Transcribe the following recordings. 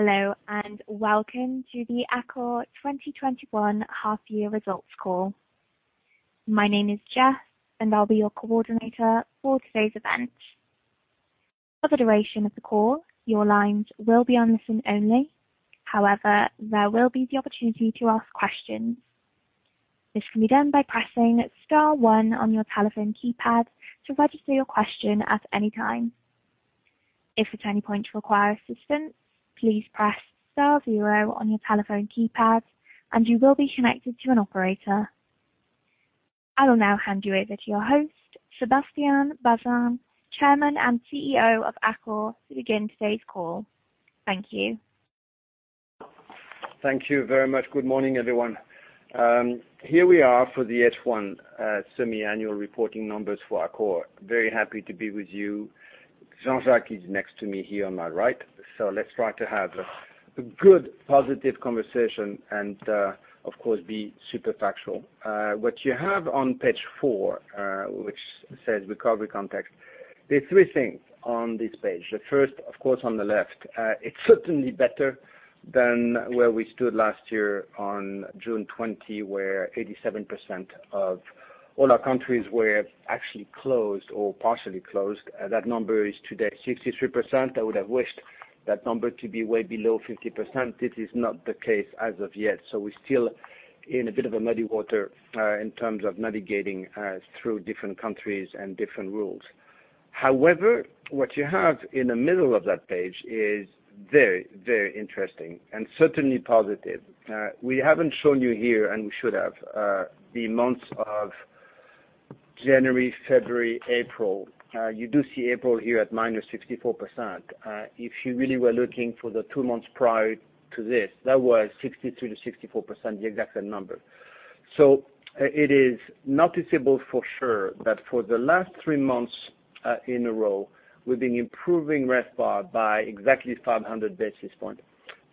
Hello, and welcome to the Accor 2021 half-year results call. My name is Jess, and I'll be your coordinator for today's event. For the duration of the call, your lines will be on listen only; however, there will be the opportunity to ask questions. This can be done by pressing star one on your telephone keypad to register your question at any time. If at any point you require assistance, please press star zero on your telephone keypad, and you will be connected to an operator. I will now hand you over to your host, Sébastien Bazin, Chairman and CEO of Accor, to begin today's call. Thank you. Thank you very much. Good morning, everyone. Here we are for the H1, semi-annual reporting numbers for Accor. Very happy to be with you. Jean-Jacques is next to me here on my right, so let's try to have a good, positive conversation and, of course, be super factual. What you have on page four, which says recovery context, there's three things on this page. The first, of course, on the left, it's certainly better than where we stood last year on June 20, where 87% of all our countries were actually closed or partially closed. That number is today 63%. I would have wished that number to be way below 50%. This is not the case as of yet, so we're still in a bit of a muddy water, in terms of navigating, through different countries and different rules. However, what you have in the middle of that page is very, very interesting and certainly positive. We haven't shown you here, and we should have, the months of January, February, April. You do see April here at minus 64%. If you really were looking for the two months prior to this, that was 63%-64%, the exact same number. So, it is noticeable for sure that for the last three months, in a row, we've been improving RevPAR by exactly 500 basis points,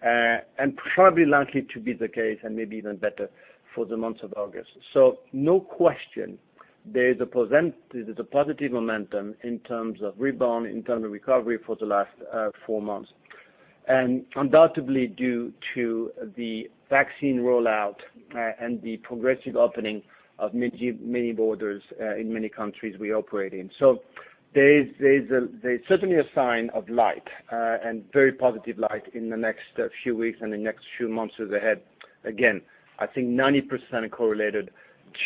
and probably likely to be the case, and maybe even better, for the month of August. So no question, there is a positive momentum in terms of rebound, in terms of recovery for the last four months, and undoubtedly due to the vaccine rollout, and the progressive opening of many, many borders, in many countries we operate in. So there's certainly a sign of light, and very positive light in the next few weeks and the next few months ahead. Again, I think 90% correlated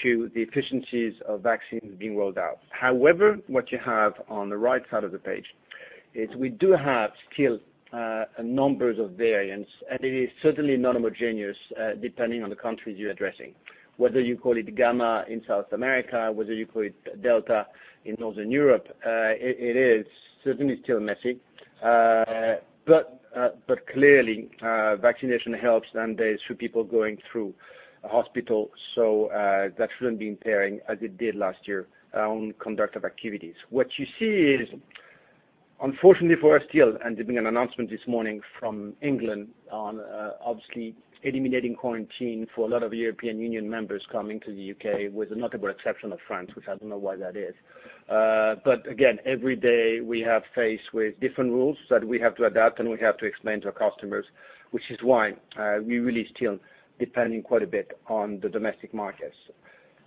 to the efficiencies of vaccines being rolled out. However, what you have on the right side of the page is we do have still numbers of variants, and it is certainly not homogeneous, depending on the countries you're addressing. Whether you call it Gamma in South America, whether you call it Delta in Northern Europe, it is certainly still messy. But clearly, vaccination helps, and there's few people going through a hospital, so that shouldn't be impairing as it did last year on conduct of activities. What you see is, unfortunately for us still, and there's been an announcement this morning from England on, obviously eliminating quarantine for a lot of European Union members coming to the UK, with a notable exception of France, which I don't know why that is. But again, every day we have faced with different rules that we have to adapt, and we have to explain to our customers, which is why, we really still depending quite a bit on the domestic markets.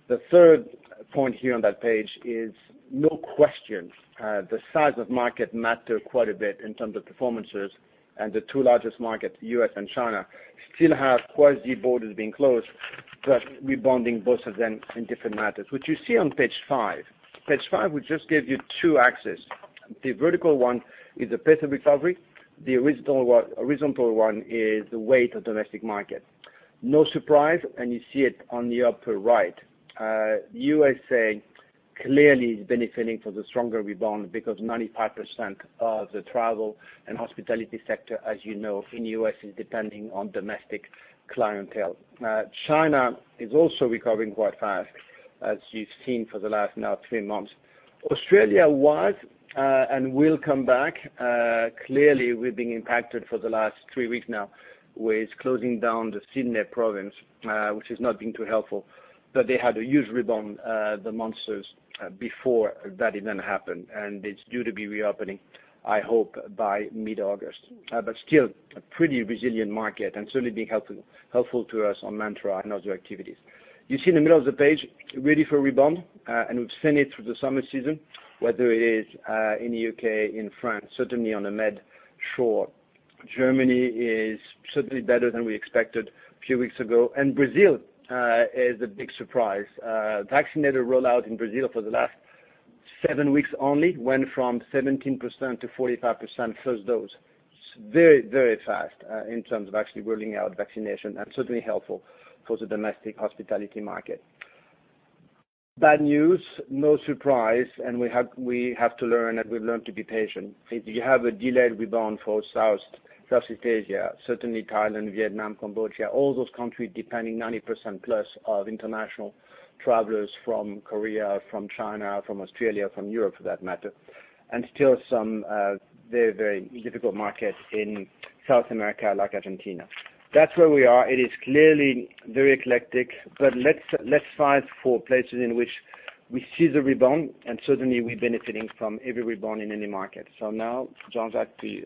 The third point here on that page is no question, the size of market matter quite a bit in terms of performances, and the two largest markets, US and China, still have quasi-borders being closed, but rebounding both of them in different matters. What you see on page five, page five will just give you two axes. The vertical one is the pace of recovery. The original one, horizontal one is the weight of domestic market. No surprise, and you see it on the upper right. The USA clearly is benefiting from the stronger rebound because 95% of the travel and hospitality sector, as you know, in the US is depending on domestic clientele. China is also recovering quite fast, as you've seen for the last now three months. Australia was, and will come back. Clearly, we've been impacted for the last three weeks now with closing down the New South Wales, which has not been too helpful, but they had a huge rebound, the Mantra, before that event happened, and it's due to be reopening, I hope, by mid-August. But still a pretty resilient market and certainly being helpful to us on Mantra and other activities. You see in the middle of the page, ready for rebound, and we've seen it through the summer season, whether it is, in the UK, in France, certainly on the Mediterranean. Germany is certainly better than we expected a few weeks ago, and Brazil is a big surprise. Vaccine rollout in Brazil for the last seven weeks only went from 17%-45% first dose. It's very, very fast, in terms of actually rolling out vaccination and certainly helpful for the domestic hospitality market. Bad news, no surprise, and we have to learn, and we've learned to be patient. If you have a delayed rebound for Southeast Asia, certainly Thailand, Vietnam, Cambodia, all those countries depending 90% plus of international travelers from Korea, from China, from Australia, from Europe for that matter, and still some, very, very difficult market in South America like Argentina. That's where we are. It is clearly very eclectic, but let's fight for places in which we see the rebound, and certainly we're benefiting from every rebound in any market, so now, Jean-Jacques, to you.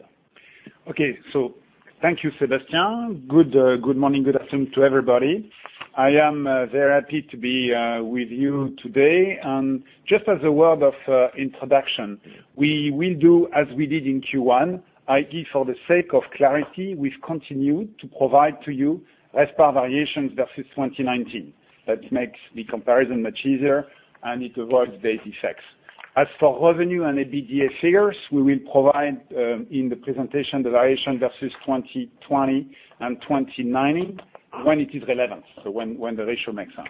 Okay, so thank you, Sébastien. Good morning, good afternoon to everybody. I am very happy to be with you today, and just as a word of introduction, we will do as we did in Q1. I think for the sake of clarity, we've continued to provide to you RevPAR variations versus 2019. That makes the comparison much easier, and it avoids data effects. As for revenue and EBITDA figures, we will provide in the presentation the variation versus 2020 and 2019 when it is relevant, so when the ratio makes sense.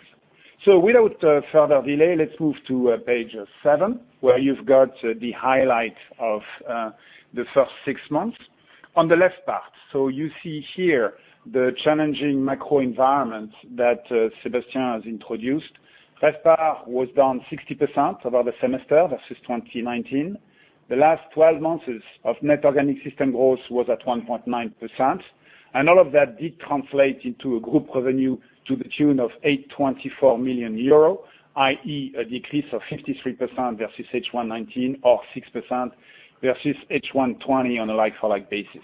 So without further delay, let's move to page seven, where you've got the highlights of the first six months. On the left part, so you see here the challenging macro environment that Sébastien has introduced. RevPAR was down 60% over the semester versus 2019. The last 12 months of net organic system growth was at 1.9%, and all of that did translate into a group revenue to the tune of 824 million euro, i.e., a decrease of 53% versus H1 2019, or 6% versus H1 2020 on a like-for-like basis.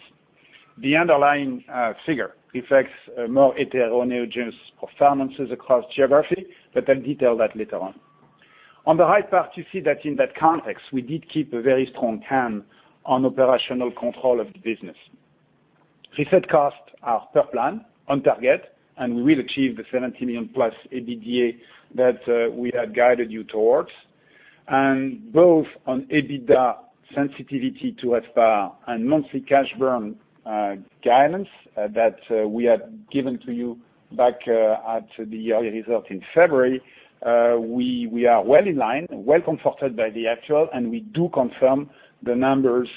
The underlying figure reflects more heterogeneous performances across geography, but I'll detail that later on. On the right part, you see that in that context, we did keep a very strong hand on operational control of the business. Reset costs are per plan, on target, and we will achieve the 70 million-plus EBITDA that we had guided you towards. Both on EBITDA sensitivity to RevPAR and monthly cash burn, guidance that we had given to you back at the early result in February, we are well in line, well comforted by the actual, and we do confirm the numbers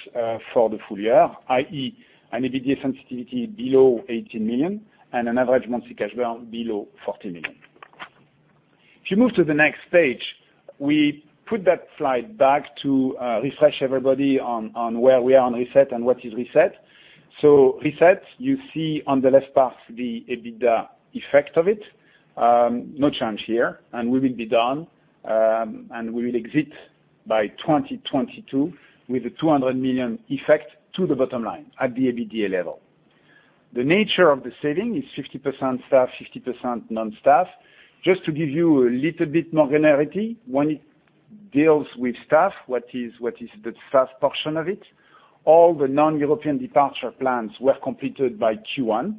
for the full year, i.e., an EBITDA sensitivity below 18 million and an average monthly cash burn below 40 million. If you move to the next page, we put that slide back to refresh everybody on where we are on Reset and what is Reset. Reset, you see on the left part the EBITDA effect of it. No change here, and we will be done, and we will exit by 2022 with a 200 million effect to the bottom line at the EBITDA level. The nature of the saving is 50% staff, 50% non-staff. Just to give you a little bit more clarity, when it deals with staff, what is the staff portion of it? All the non-European departure plans were completed by Q1.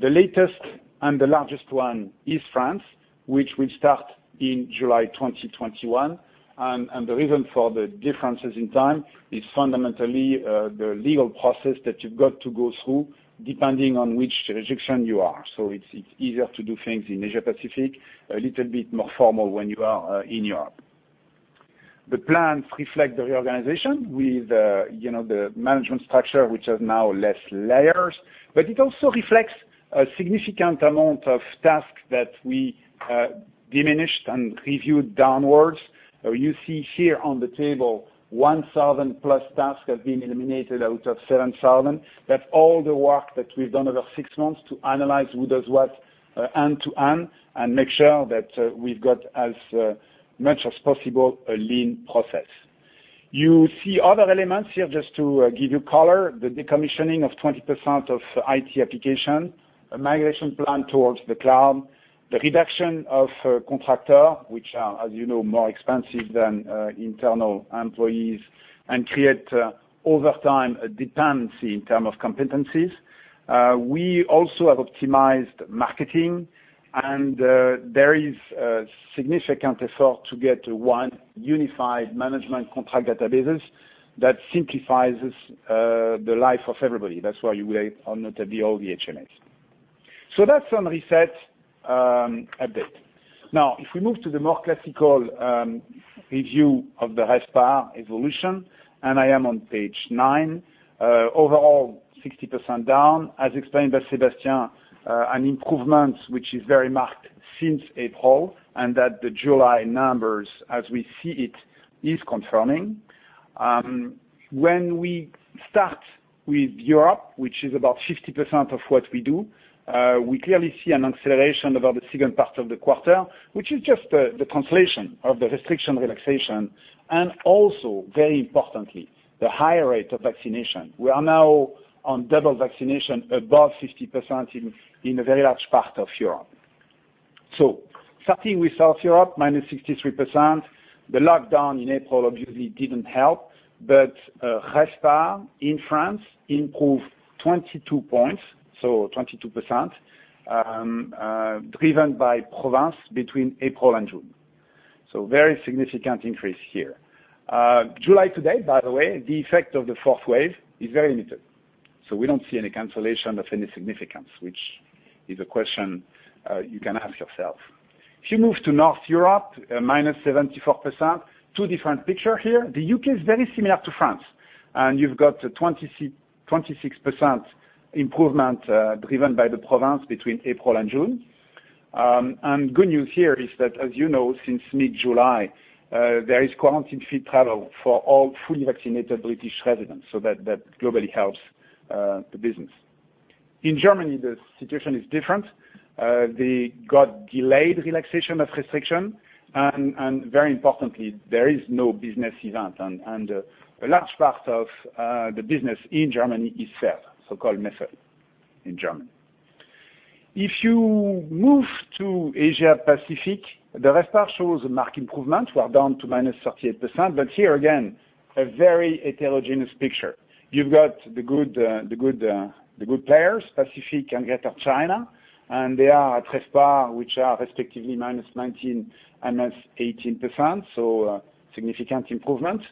The latest and the largest one is France, which will start in July 2021, and the reason for the differences in time is fundamentally the legal process that you've got to go through depending on which jurisdiction you are, so it's easier to do things in Asia Pacific, a little bit more formal when you are in Europe. The plans reflect the reorganization with, you know, the management structure, which has now less layers, but it also reflects a significant amount of tasks that we diminished and reviewed downwards. You see here on the table, 1,000 plus tasks have been eliminated out of 7,000. That's all the work that we've done over six months to analyze who does what, end to end, and make sure that we've got as much as possible a lean process. You see other elements here just to give you color, the decommissioning of 20% of IT applications, a migration plan towards the cloud, the reduction of contractors, which are, as you know, more expensive than internal employees, and create over time a dependency in terms of competencies. We also have optimized marketing, and there is significant effort to get one unified management contract database that simplifies us the life of everybody. That's why you would have all noted the old HMAs. So that's on Reset update. Now, if we move to the more classical review of the RevPAR evolution, and I am on page nine, overall 60% down, as explained by Sebastian, an improvement which is very marked since April, and that the July numbers, as we see it, is confirming. When we start with Europe, which is about 50% of what we do, we clearly see an acceleration over the second part of the quarter, which is just the translation of the restriction relaxation, and also, very importantly, the higher rate of vaccination. We are now on double vaccination above 50% in a very large part of Europe. So starting with Southern Europe, -63%. The lockdown in April obviously didn't help, but RevPAR in France improved 22 points, so 22%, driven by province between April and June, so very significant increase here. July to date, by the way, the effect of the fourth wave is very limited. So we don't see any cancellation of any significance, which is a question you can ask yourself. If you move to Northern Europe, -74%, two different pictures here. The UK is very similar to France, and you've got 26% improvement, driven by the provincial between April and June. Good news here is that, as you know, since mid-July, there is quarantine-free travel for all fully vaccinated British residents, so that globally helps the business. In Germany, the situation is different. They got delayed relaxation of restrictions, and very importantly, there is no business events, and a large part of the business in Germany is fueled by so-called Messe in Germany. If you move to Asia Pacific, the RevPAR shows a marked improvement. We're down to -38%, but here again, a very heterogeneous picture. You've got the good, the good, the good players, Pacific and Greater China, and they are at RevPAR, which are respectively -19% and -18%, so, significant improvement.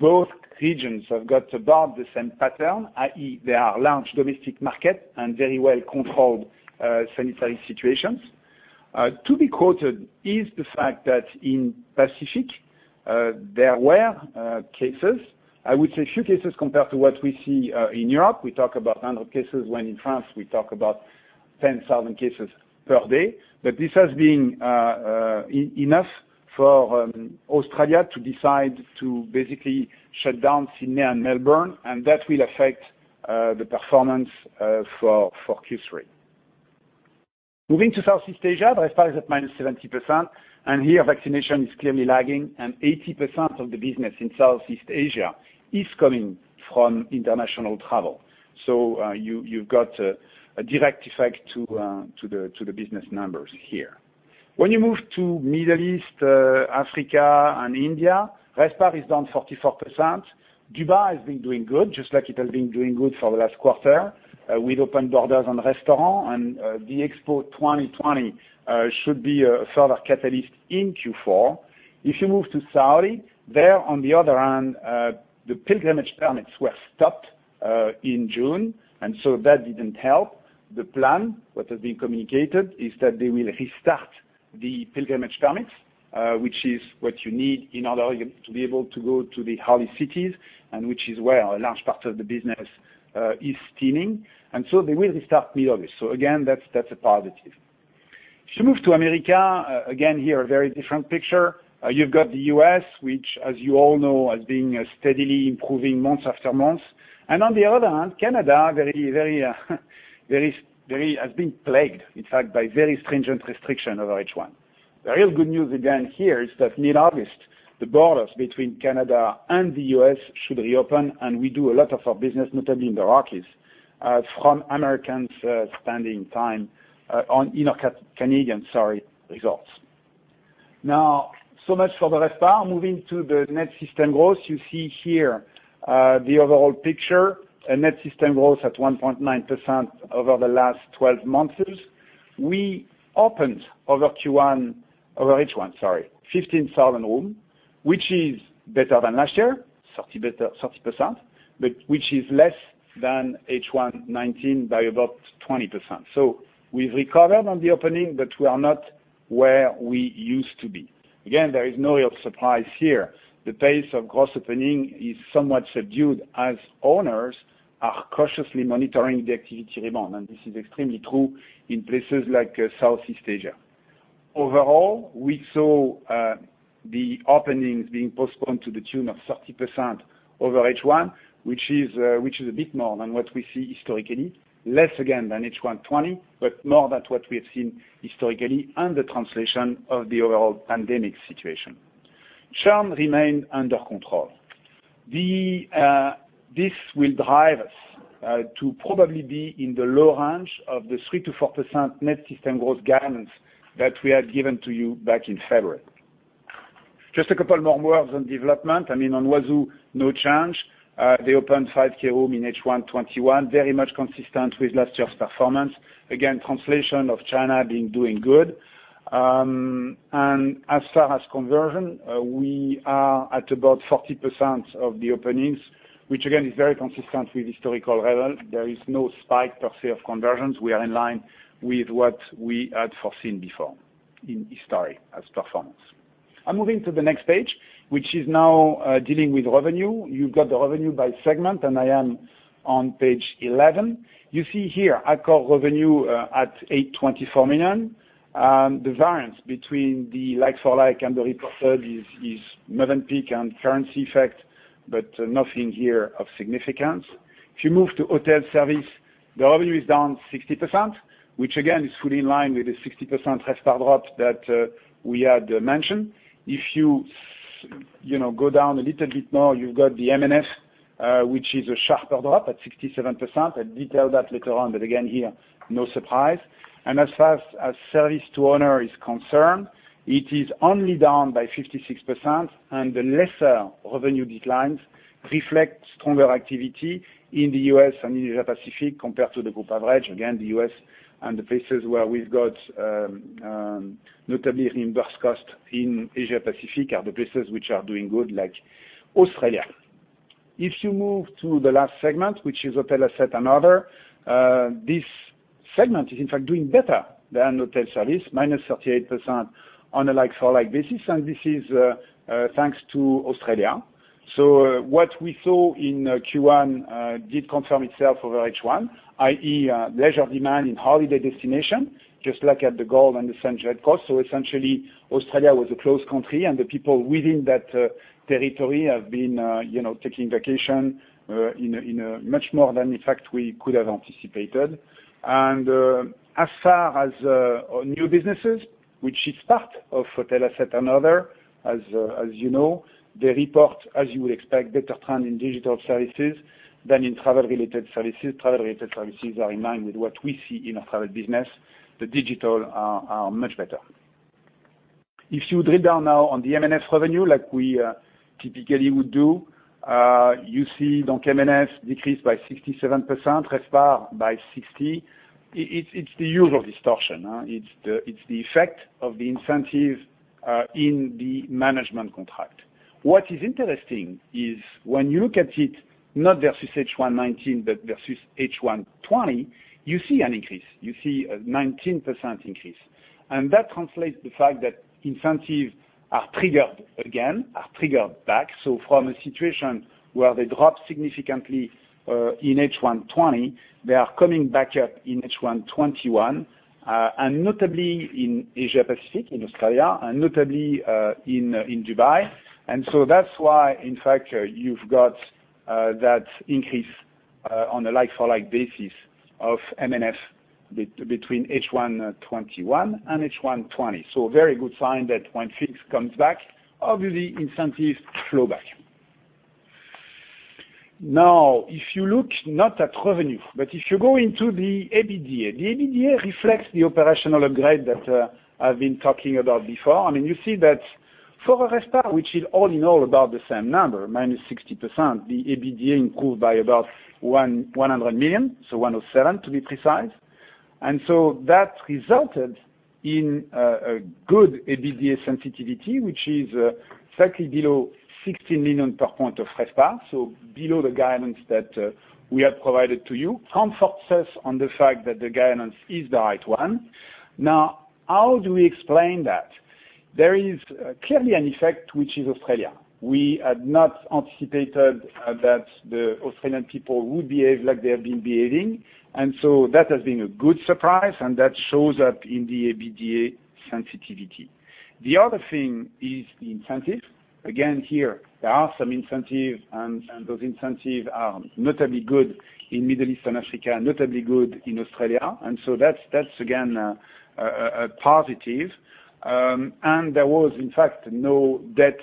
Both regions have got about the same pattern, i.e., there are large domestic markets and very well-controlled, sanitary situations. To be quoted is the fact that in Pacific, there were cases. I would say few cases compared to what we see in Europe. We talk about 100 cases when in France we talk about 10,000 cases per day, but this has been enough for Australia to decide to basically shut down Sydney and Melbourne, and that will affect the performance for Q3. Moving to Southeast Asia, RevPAR is at -70%, and here vaccination is clearly lagging, and 80% of the business in Southeast Asia is coming from international travel. So, you've got a direct effect to the business numbers here. When you move to Middle East, Africa, and India, RevPAR is down 44%. Dubai has been doing good, just like it has been doing good for the last quarter, with open borders and restaurants, and the Expo 2020 should be a further catalyst in Q4. If you move to Saudi, on the other hand, the pilgrimage permits were stopped in June, and so that didn't help. The plan, what has been communicated, is that they will restart the pilgrimage permits, which is what you need in order to be able to go to the holy cities, and which is where a large part of the business is stemming. And so they will restart mid-August. So again, that's a positive. If you move to America, again here a very different picture. You've got the US, which, as you all know, has been steadily improving month after month. And on the other hand, Canada very has been plagued, in fact, by very stringent restrictions over H1. The real good news again here is that mid-August, the borders between Canada and the US should reopen, and we do a lot of our business, notably in the Rockies, from Americans spending time in Canadian resorts. Now, so much for the RevPAR. Moving to the net system growth, you see here, the overall picture, a net system growth at 1.9% over the last 12 months. We opened over Q1, over H1, sorry, 15,000 room, which is better than last year, 30% better, but which is less than H1 19 by about 20%. So we've recovered on the opening, but we are not where we used to be. Again, there is no real surprise here. The pace of gross opening is somewhat subdued as owners are cautiously monitoring the activity rebound, and this is extremely true in places like, Southeast Asia. Overall, we saw, the openings being postponed to the tune of 30% over H1, which is a bit more than what we see historically, less again than H1 20, but more than what we have seen historically and the translation of the overall pandemic situation. Churn remained under control. This will drive us to probably be in the low range of the 3%-4% net system growth guidance that we had given to you back in February. Just a couple more words on development. I mean, on Huazhu, no change. They opened 5,000 rooms in H1 2021, very much consistent with last year's performance. Again, the situation in China is doing good. And as far as conversion, we are at about 40% of the openings, which again is very consistent with historical level. There is no spike per se of conversions. We are in line with what we had foreseen before in history as performance. I'm moving to the next page, which is now dealing with revenue. You've got the revenue by segment, and I am on page 11. You see here Accor revenue at 824 million. The variance between the like-for-like and the reported is Mövenpick and currency effect, but nothing here of significance. If you move to Hotel Services, the revenue is down 60%, which again is fully in line with the 60% RevPAR drop that we had mentioned. If you, you know, go down a little bit more, you've got the M&F, which is a sharper drop at 67%. I'll detail that later on, but again here, no surprise. And as far as Services to Owners is concerned, it is only down by 56%, and the lesser revenue declines reflect stronger activity in the US and in Asia Pacific compared to the group average. Again, the US and the places where we've got, notably reimbursed costs in Asia Pacific are the places which are doing good, like Australia. If you move to the last segment, which is Hotel Assets & Other, this segment is in fact doing better than Hotel Services, -38% on a like-for-like basis, and this is, thanks to Australia. So what we saw in Q1 did confirm itself over H1, i.e., leisure demand in holiday destinations, just like at the Gold Coast and the Sunshine Coast. So essentially, Australia was a closed country, and the people within that territory have been, you know, taking vacation in a much more than in fact we could have anticipated. And, as far as New Businesses, which is part of Hotel Assets & Other, as you know, they report, as you would expect, better trend in digital services than in travel-related services. Travel-related services are in line with what we see in our travel business. The digital are much better. If you drill down now on the M&F revenue, like we typically would do, you see the M&F decreased by 67%, RevPAR by 60%. It's the usual distortion, huh? It's the effect of the incentive in the management contract. What is interesting is when you look at it, not versus H1 2019, but versus H1 2020, you see an increase. You see a 19% increase. And that translates the fact that incentives are triggered again, are triggered back. So from a situation where they dropped significantly in H1 2020, they are coming back up in H1 2021, and notably in Asia Pacific, in Australia, and notably in Dubai. And so that's why, in fact, you've got that increase on a like-for-like basis of M&F between H1 2021 and H1 2020. So very good sign that when things come back, obviously incentives flow back. Now, if you look not at revenue, but if you go into the EBITDA, the EBITDA reflects the operational upgrade that I've been talking about before. I mean, you see that for a RevPAR, which is all in all about the same number, -60%, the EBITDA improved by about 1,100 million, so 107 to be precise. And so that resulted in a good EBITDA sensitivity, which is slightly below 16 million per point of RevPAR, so below the guidance that we had provided to you. Comforts us on the fact that the guidance is the right one. Now, how do we explain that? There is clearly an effect which is Australia. We had not anticipated that the Australian people would behave like they have been behaving, and so that has been a good surprise, and that shows up in the EBITDA sensitivity. The other thing is the incentive. Again, here, there are some incentives, and those incentives are notably good in Middle East and Africa, notably good in Australia, and so that's again a positive. There was, in fact, no bad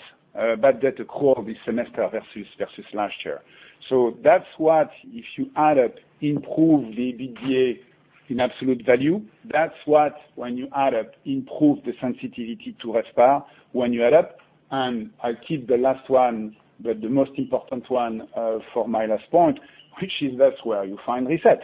debt accrual this semester versus last year. So that's what, if you add up, improves the EBITDA in absolute value. That's what, when you add up, improves the sensitivity to RevPAR when you add up. I'll keep the last one, but the most important one, for my last point, which is that's where you find Reset.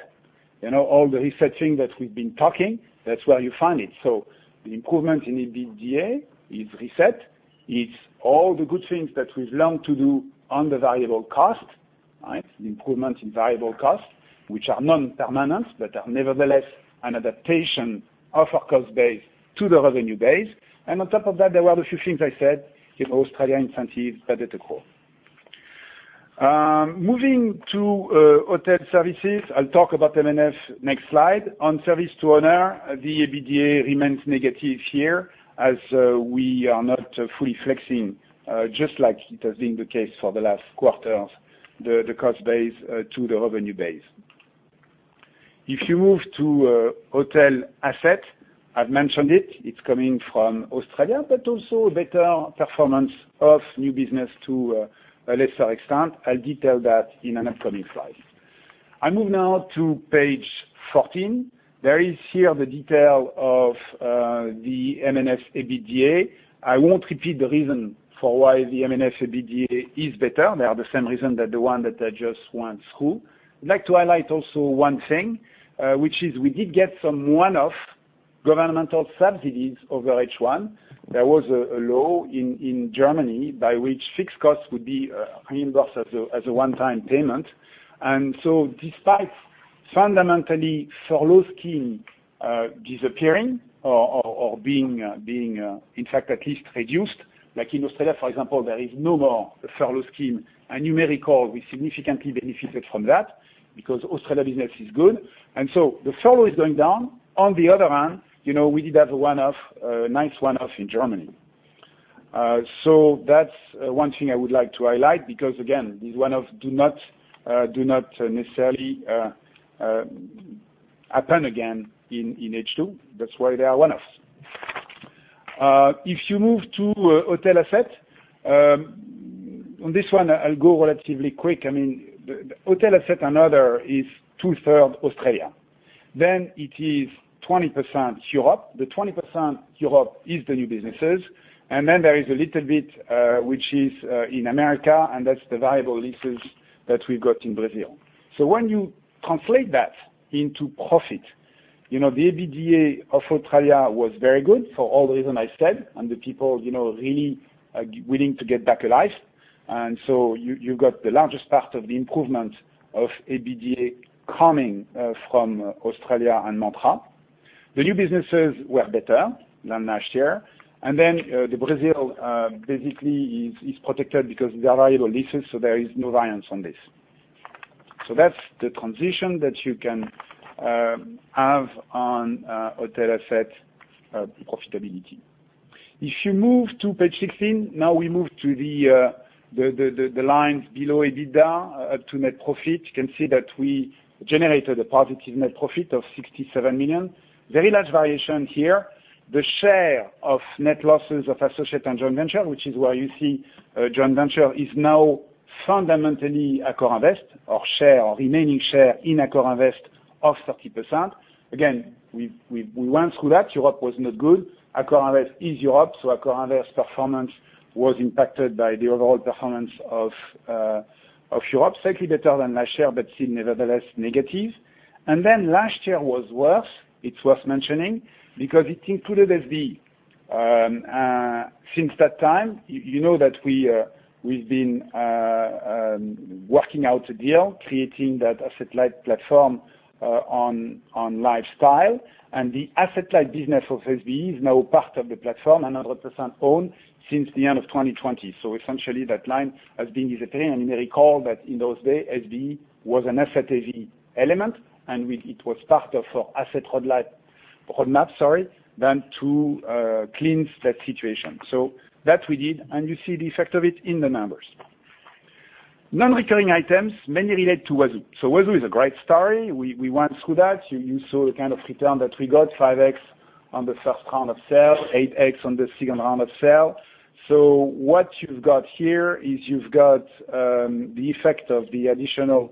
You know, all the Reset thing that we've been talking, that's where you find it. So the improvement in EBITDA is Reset. It's all the good things that we've learned to do on the variable cost, right? The improvement in variable costs, which are non-permanent, but are nevertheless an adaptation of our cost base to the revenue base. And on top of that, there were the few things I said, you know, Australia incentives, bad debt accrual. Moving to hotel services, I'll talk about M&F next slide. On service to owner, the EBITDA remains negative here as we are not fully flexing, just like it has been the case for the last quarters, the cost base to the revenue base. If you move to hotel assets, I've mentioned it. It's coming from Australia, but also better performance of new business to a lesser extent. I'll detail that in an upcoming slide. I move now to page 14. There is here the detail of the M&F EBITDA. I won't repeat the reason for why the M&F EBITDA is better. They are the same reason that the one that I just went through. I'd like to highlight also one thing, which is we did get some one-off governmental subsidies over H1. There was a law in Germany by which fixed costs would be reimbursed as a one-time payment. And so despite fundamentally furlough scheme disappearing or being in fact at least reduced, like in Australia, for example, there is no more furlough scheme. And you may recall we significantly benefited from that because Australia business is good. And so the furlough is going down. On the other hand, you know, we did have a one-off, nice one-off in Germany. So that's one thing I would like to highlight because, again, these one-offs do not necessarily happen again in H2. That's why they are one-offs. If you move to Hotel Assets & Other on this one, I'll go relatively quick. I mean, the Hotel Assets & Other is two-thirds Australia. Then it is 20% Europe. The 20% Europe is the New Businesses. And then there is a little bit which is in America, and that's the variable leases that we've got in Brazil. So when you translate that into profit, you know, the EBITDA of Australia was very good for all the reasons I said, and the people, you know, really willing to get back alive. And so you've got the largest part of the improvement of EBITDA coming from Australia and Mantra. The New Businesses were better than last year. And then Brazil basically is protected because they are variable leases, so there is no variance on this. So that's the translation that you can have on Hotel Assets & Other profitability. If you move to page 16, now we move to the lines below EBITDA up to net profit. You can see that we generated a positive net profit of 67 million. Very large variation here. The share of net losses of Associate and Joint Venture, which is where you see, Joint Venture is now fundamentally AccorInvest or share, remaining share in AccorInvest of 30%. Again, we went through that. Europe was not good. AccorInvest is Europe, so AccorInvest performance was impacted by the overall performance of Europe. Slightly better than last year, but still nevertheless negative. And then last year was worse. It's worth mentioning because it included as the, since that time, you know that we, we've been working out a deal, creating that asset-like platform, on lifestyle. The asset-like business of SBE is now part of the platform and 100% owned since the end of 2020. Essentially that line has been disappearing. You may recall that in those days, SBE was an asset-heavy element, and it was part of our asset roadmap, sorry, to cleanse that situation. That we did, and you see the effect of it in the numbers. Non-recurring items mainly relate to Huazhu. Huazhu is a great story. We went through that. You saw the kind of return that we got, 5x on the first round of sale, 8x on the second round of sale. What you've got here is the effect of the additional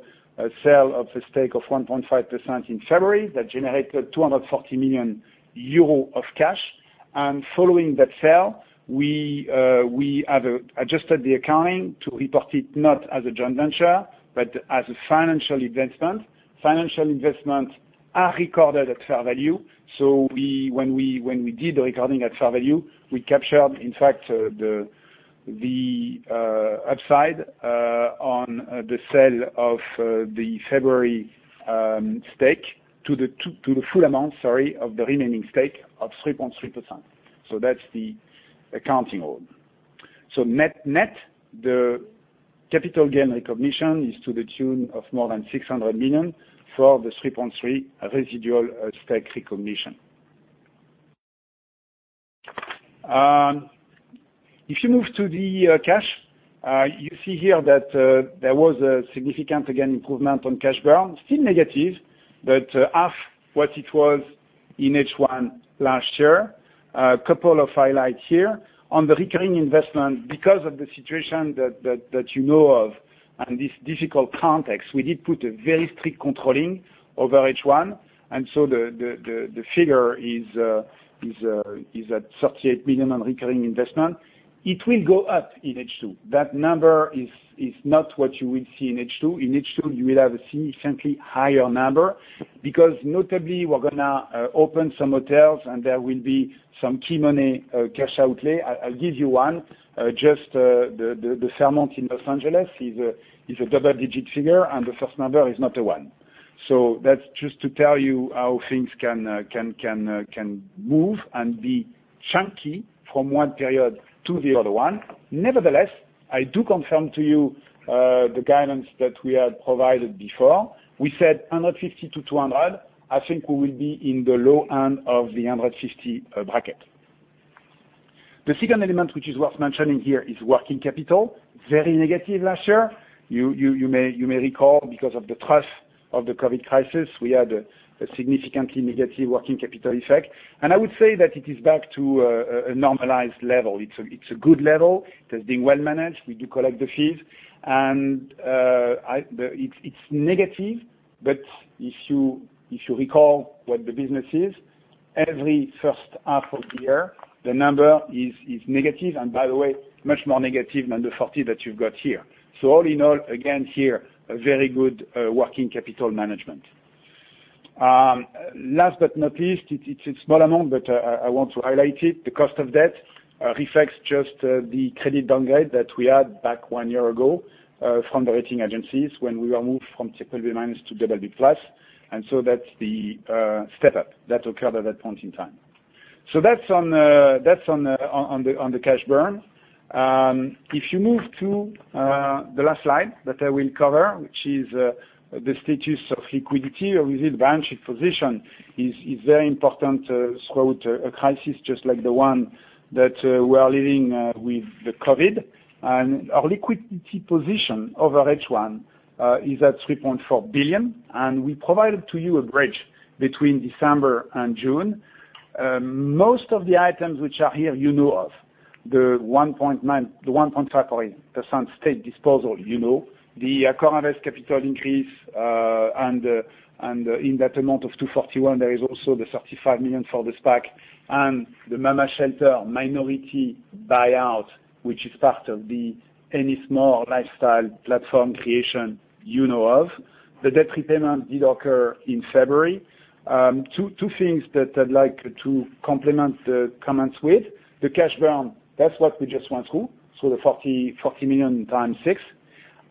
sale of a stake of 1.5% in February that generated 240 million euro of cash. Following that sale, we have adjusted the accounting to report it not as a Joint Venture, but as a financial investment. Financial investments are recorded at fair value. So when we did the recording at fair value, we captured, in fact, the upside on the sale of the February stake to the full amount, sorry, of the remaining stake of 3.3%. So that's the accounting route. So net, the capital gain recognition is to the tune of more than 600 million for the 3.3% residual stake recognition. If you move to the cash, you see here that there was a significant, again, improvement on cash burn, still negative, but half what it was in H1 last year. Couple of highlights here. On the recurring investment, because of the situation that you know of and this difficult context, we did put a very strict control over H1, and so the figure is at 38 million on recurring investment. It will go up in H2. That number is not what you will see in H2. In H2, you will have a significantly higher number because notably we're gonna open some hotels, and there will be some key money cash outlay. I'll give you one, just the Fairmont in Los Angeles is a double-digit figure, and the first number is not a one. So that's just to tell you how things can move and be chunky from one period to the other one. Nevertheless, I do confirm to you the guidance that we had provided before. We said 150-200. I think we will be in the low end of the 150 bracket. The second element, which is worth mentioning here, is working capital. Very negative last year. You may recall because of the trough of the COVID crisis, we had a significantly negative working capital effect. I would say that it is back to a normalized level. It's a good level. It has been well managed. We do collect the fees. It's negative, but if you recall what the business is, every first half of the year, the number is negative. And by the way, much more negative than the 40 that you've got here. So all in all, again here, a very good working capital management. Last but not least, it's a small amount, but I want to highlight it. The cost of debt reflects just the credit downgrade that we had back one year ago from the rating agencies when we were moved from triple B minus to double B plus. And so that's the step-up that occurred at that point in time. So that's on the cash burn. If you move to the last slide that I will cover, which is the status of liquidity, or is it a balance sheet position, is very important throughout a crisis just like the one that we are living with the COVID. Our liquidity position over H1 is at 3.4 billion. We provided to you a bridge between December and June. Most of the items which are here, you know of. The 1.9, the 1.5% state disposal, you know. The AccorInvest capital increase, and in that amount of 241 million, there is also the 35 million for the SPAC and the Mama Shelter minority buyout, which is part of the Ennismore lifestyle platform creation, you know of. The debt repayment did occur in February. Two things that I'd like to complement the comments with. The cash burn, that's what we just went through, the 40 million x6.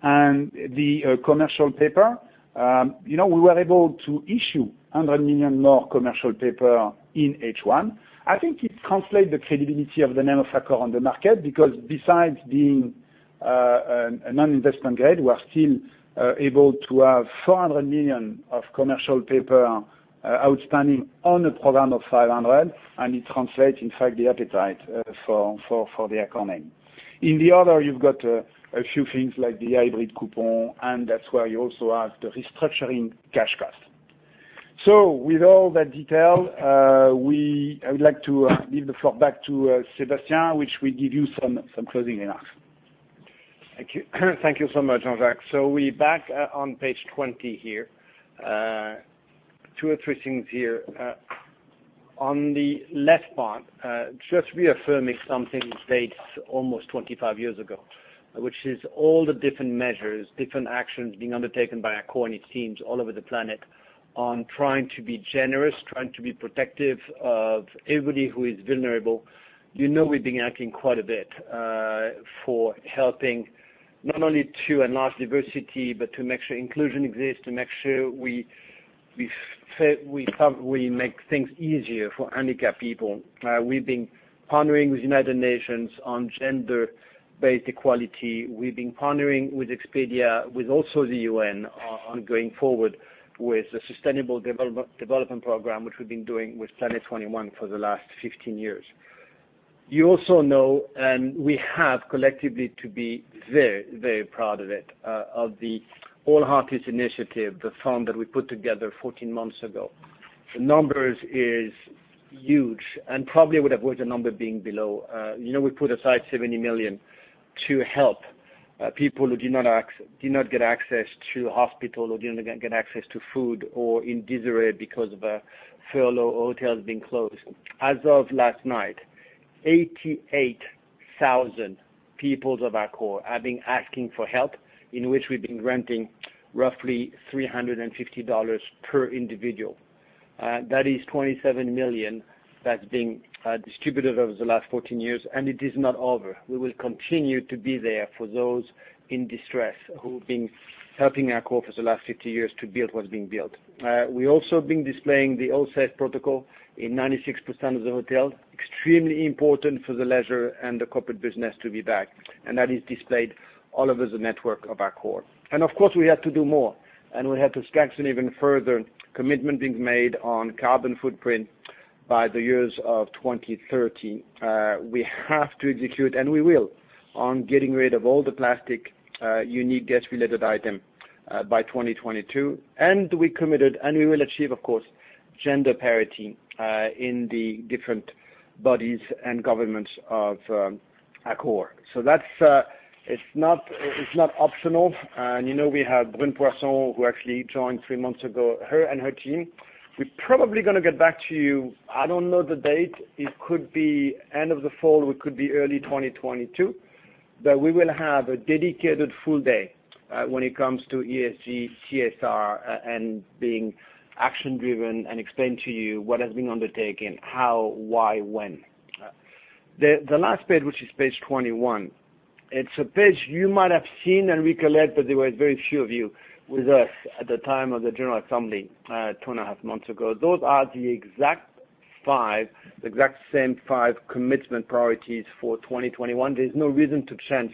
And the commercial paper, you know, we were able to issue 100 million more commercial paper in H1. I think it translates the credibility of the name of Accor on the market because besides being a non-investment grade, we are still able to have 400 million of commercial paper outstanding on a program of 500 million, and it translates, in fact, the appetite for Accor. In the other, you've got a few things like the hybrid coupon, and that's where you also have the restructuring cash cost. So with all that detail, we, I would like to leave the floor back to Sébastien, which will give you some closing remarks. Thank you. Thank you so much, Jean-Jacques. So we're back on page 20 here. Two or three things here. On the left part, just reaffirming something that dates almost 25 years ago, which is all the different measures, different actions being undertaken by Accor and its teams all over the planet on trying to be generous, trying to be protective of everybody who is vulnerable. You know we've been acting quite a bit for helping not only to enlarge diversity, but to make sure inclusion exists, to make sure we fit, we come, we make things easier for handicapped people. We've been partnering with the United Nations on gender-based equality. We've been partnering with Expedia, with also the UN, on going forward with the sustainable development program, which we've been doing with Planet 21 for the last 15 years. You also know, and we have collectively to be very, very proud of it, of the ALL Heartist Fund, the fund that we put together 14 months ago. The numbers is huge, and probably I would have wished the number being below. You know, we put aside 70 million to help people who do not access, do not get access to hospital or do not get access to food or in disarray because of a furlough or hotels being closed. As of last night, 88,000 people of Accor have been asking for help, in which we've been granting roughly $350 per individual. That is 27 million that's been distributed over the last 14 years, and it is not over. We will continue to be there for those in distress who have been helping Accor for the last 50 years to build what's being built. We also have been displaying the ALLSAFE protocol in 96% of the hotels, extremely important for the leisure and the corporate business to be back. That is displayed all over the network of Accor. Of course, we have to do more, and we have to strengthen even further. Commitment being made on carbon footprint by the year 2030. We have to execute, and we will, on getting rid of all the single-use plastic items, by 2022. We committed, and we will achieve, of course, gender parity, in the different bodies and governance of Accor. That's, it's not optional. And you know we have Brune Poirson, who actually joined three months ago, her and her team. We're probably gonna get back to you. I don't know the date. It could be end of the fall. It could be early 2022. But we will have a dedicated full day, when it comes to ESG, TSR, and being action-driven and explain to you what has been undertaken, how, why, when. The last page, which is page 21, it's a page you might have seen and recollect, but there were very few of you with us at the time of the General Assembly, two and a half months ago. Those are the exact five, the exact same five commitment priorities for 2021. There's no reason to change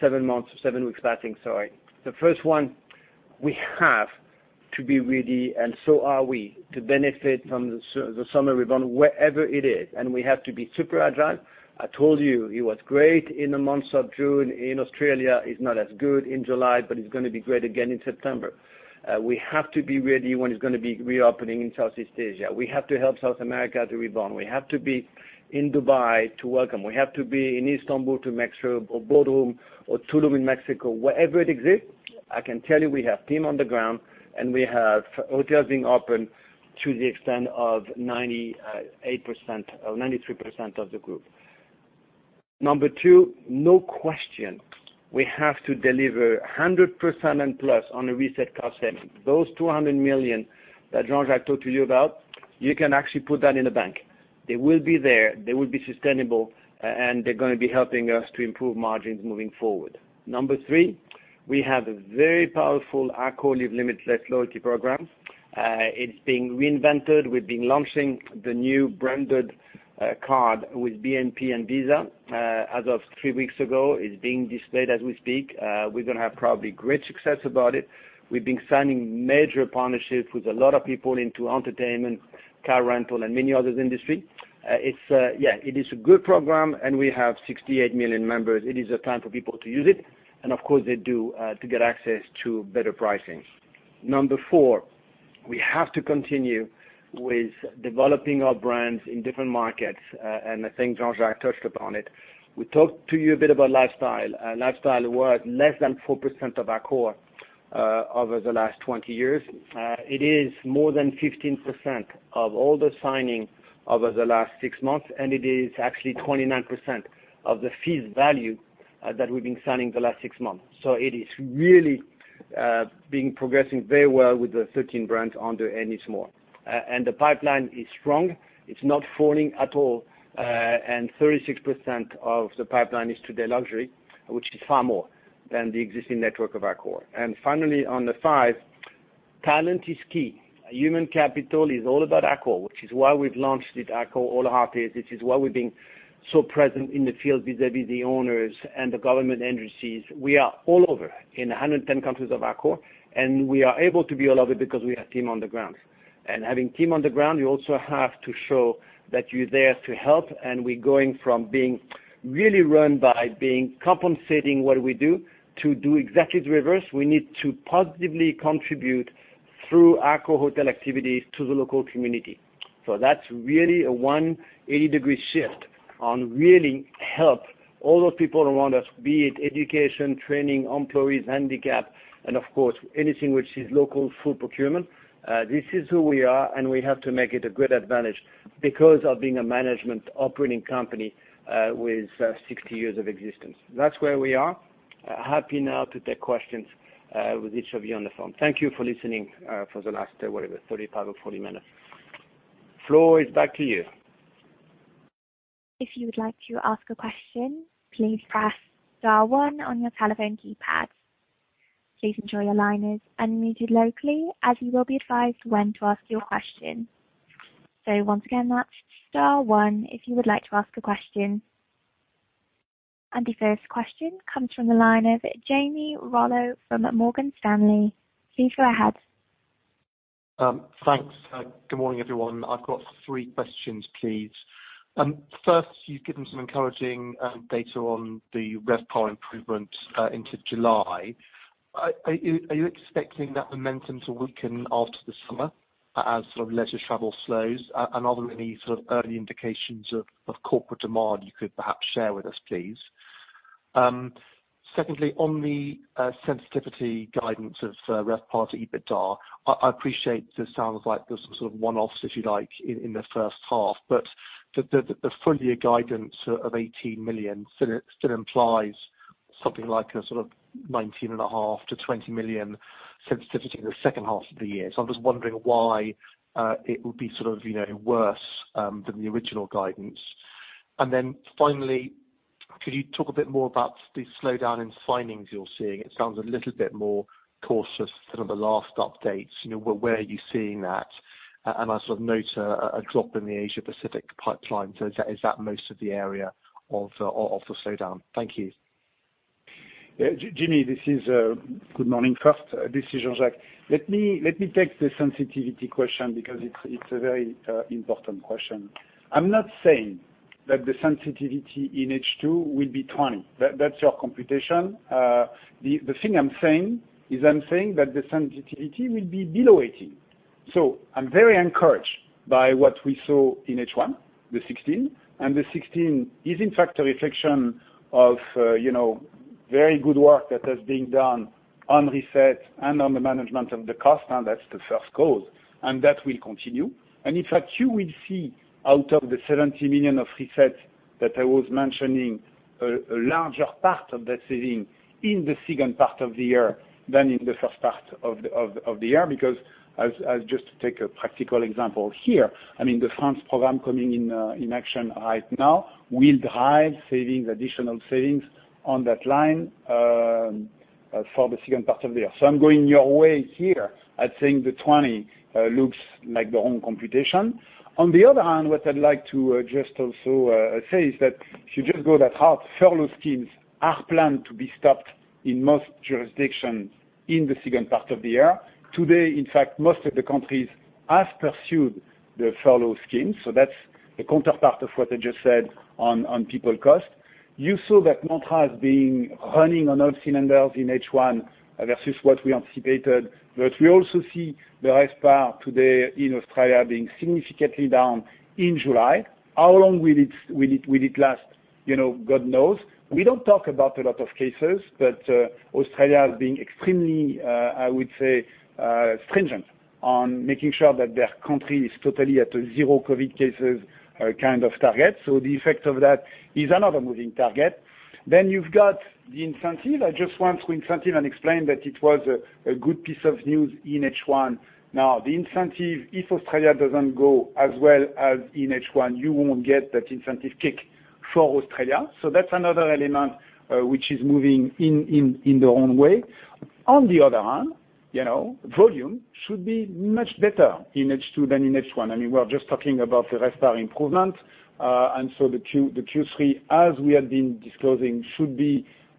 seven months or seven weeks passing, sorry. The first one, we have to be ready, and so are we, to benefit from the summer rebound, wherever it is. And we have to be super agile. I told you it was great in the months of June. In Australia, it's not as good in July, but it's gonna be great again in September. We have to be ready when it's gonna be reopening in Southeast Asia. We have to help South America to rebound. We have to be in Dubai to welcome. We have to be in Istanbul to make sure or Bodrum or Tulum in Mexico, wherever it exists. I can tell you we have team on the ground, and we have hotels being opened to the extent of 98% or 93% of the group. Number two, no question, we have to deliver 100% and plus on the Reset cost statement. Those 200 million that Jean-Jacques talked to you about, you can actually put that in a bank. They will be there. They will be sustainable, and they're gonna be helping us to improve margins moving forward. Number three, we have a very powerful Accor Live Limitless loyalty program. It's being reinvented. We've been launching the new branded card with BNP and Visa. As of three weeks ago, it's being displayed as we speak. We're gonna have probably great success about it. We've been signing major partnerships with a lot of people into entertainment, car rental, and many other industries. It's, yeah, it is a good program, and we have 68 million members. It is a time for people to use it, and of course, they do, to get access to better pricing. Number four, we have to continue with developing our brands in different markets. And I think Jean-Jacques touched upon it. We talked to you a bit about lifestyle. Lifestyle was less than 4% of Accor over the last 20 years. It is more than 15% of all the signing over the last six months, and it is actually 29% of the fees value that we've been signing the last six months. So it is really being progressing very well with the 13 brands under Ennismore. And the pipeline is strong. It's not falling at all. And 36% of the pipeline is today luxury, which is far more than the existing network of Accor. And finally, on the five, talent is key. Human capital is all about Accor, which is why we've launched it, the ALL Heartist Fund. This is why we've been so present in the field vis-à-vis the owners and the government agencies. We are all over in 110 countries of Accor, and we are able to be all over because we have team on the ground, and having team on the ground, you also have to show that you're there to help. And we're going from being really run by being compensating what we do to do exactly the reverse. We need to positively contribute through Accor hotel activities to the local community, so that's really a 180-degree shift on really help all those people around us, be it education, training, employees, handicap, and of course, anything which is local food procurement. This is who we are, and we have to make it a great advantage because of being a management operating company, with 60 years of existence. That's where we are. Happy now to take questions, with each of you on the phone. Thank you for listening, for the last, whatever, 35 or 40 minutes. Floor, it's back to you. If you would like to ask a question, please press star one on your telephone keypad. Please ensure your line is unmuted locally, as you will be advised when to ask your question. So once again, that's star one if you would like to ask a question. And the first question comes from the line of Jamie Rollo from Morgan Stanley. Please go ahead. Thanks. Good morning, everyone. I've got three questions, please. First, you've given some encouraging data on the RevPAR improvement into July. Are you expecting that momentum to weaken after the summer, as sort of leisure travel slows? And are there any sort of early indications of corporate demand you could perhaps share with us, please? Secondly, on the sensitivity guidance of RevPAR to EBITDA, I appreciate there sounds like there's some sort of one-offs, if you like, in the first half, but the full year guidance of 18 million still implies something like a sort of 19.5-20 million sensitivity in the second half of the year. So I'm just wondering why it would be sort of, you know, worse than the original guidance. Then finally, could you talk a bit more about the slowdown in signings you're seeing? It sounds a little bit more cautious than the last updates. You know, where are you seeing that? And I sort of note a drop in the Asia-Pacific pipeline. So is that most of the area of the slowdown? Thank you. Yeah. Jamie, this is—good morning first. This is Jean-Jacques. Let me take the sensitivity question because it's a very important question. I'm not saying that the sensitivity in H2 will be 20. That's your computation. The thing I'm saying is that the sensitivity will be below 18. So I'm very encouraged by what we saw in H1, the 16, and the 16 is, in fact, a reflection of, you know, very good work that has been done on Reset and on the management of the cost. And that's the first cause, and that will continue. In fact, you will see, out of the 70 million of Reset that I was mentioning, a larger part of that saving in the second part of the year than in the first part of the year because as just to take a practical example here, I mean, the France program coming in action right now will drive additional savings on that line for the second part of the year. So I'm going your way here in saying the 20 looks like the wrong computation. On the other hand, what I'd like to just also say is that if you just go that hard, furlough schemes are planned to be stopped in most jurisdictions in the second part of the year. Today, in fact, most of the countries have pursued the furlough schemes. So that's the counterpart of what I just said on people cost. You saw that Mantra is running on all cylinders in H1 versus what we anticipated, but we also see the RevPAR today in Australia being significantly down in July. How long will it last? You know, God knows. We don't talk about a lot of cases, but Australia is being extremely, I would say, stringent on making sure that their country is totally at a zero COVID cases, kind of target. So the effect of that is another moving target. Then you've got the incentive. I just went through incentive and explained that it was a good piece of news in H1. Now, the incentive, if Australia doesn't go as well as in H1, you won't get that incentive kick for Australia. So that's another element, which is moving in the wrong way. On the other hand, you know, volume should be much better in H2 than in H1. I mean, we're just talking about the RevPAR improvement, and so the Q3, as we had been disclosing in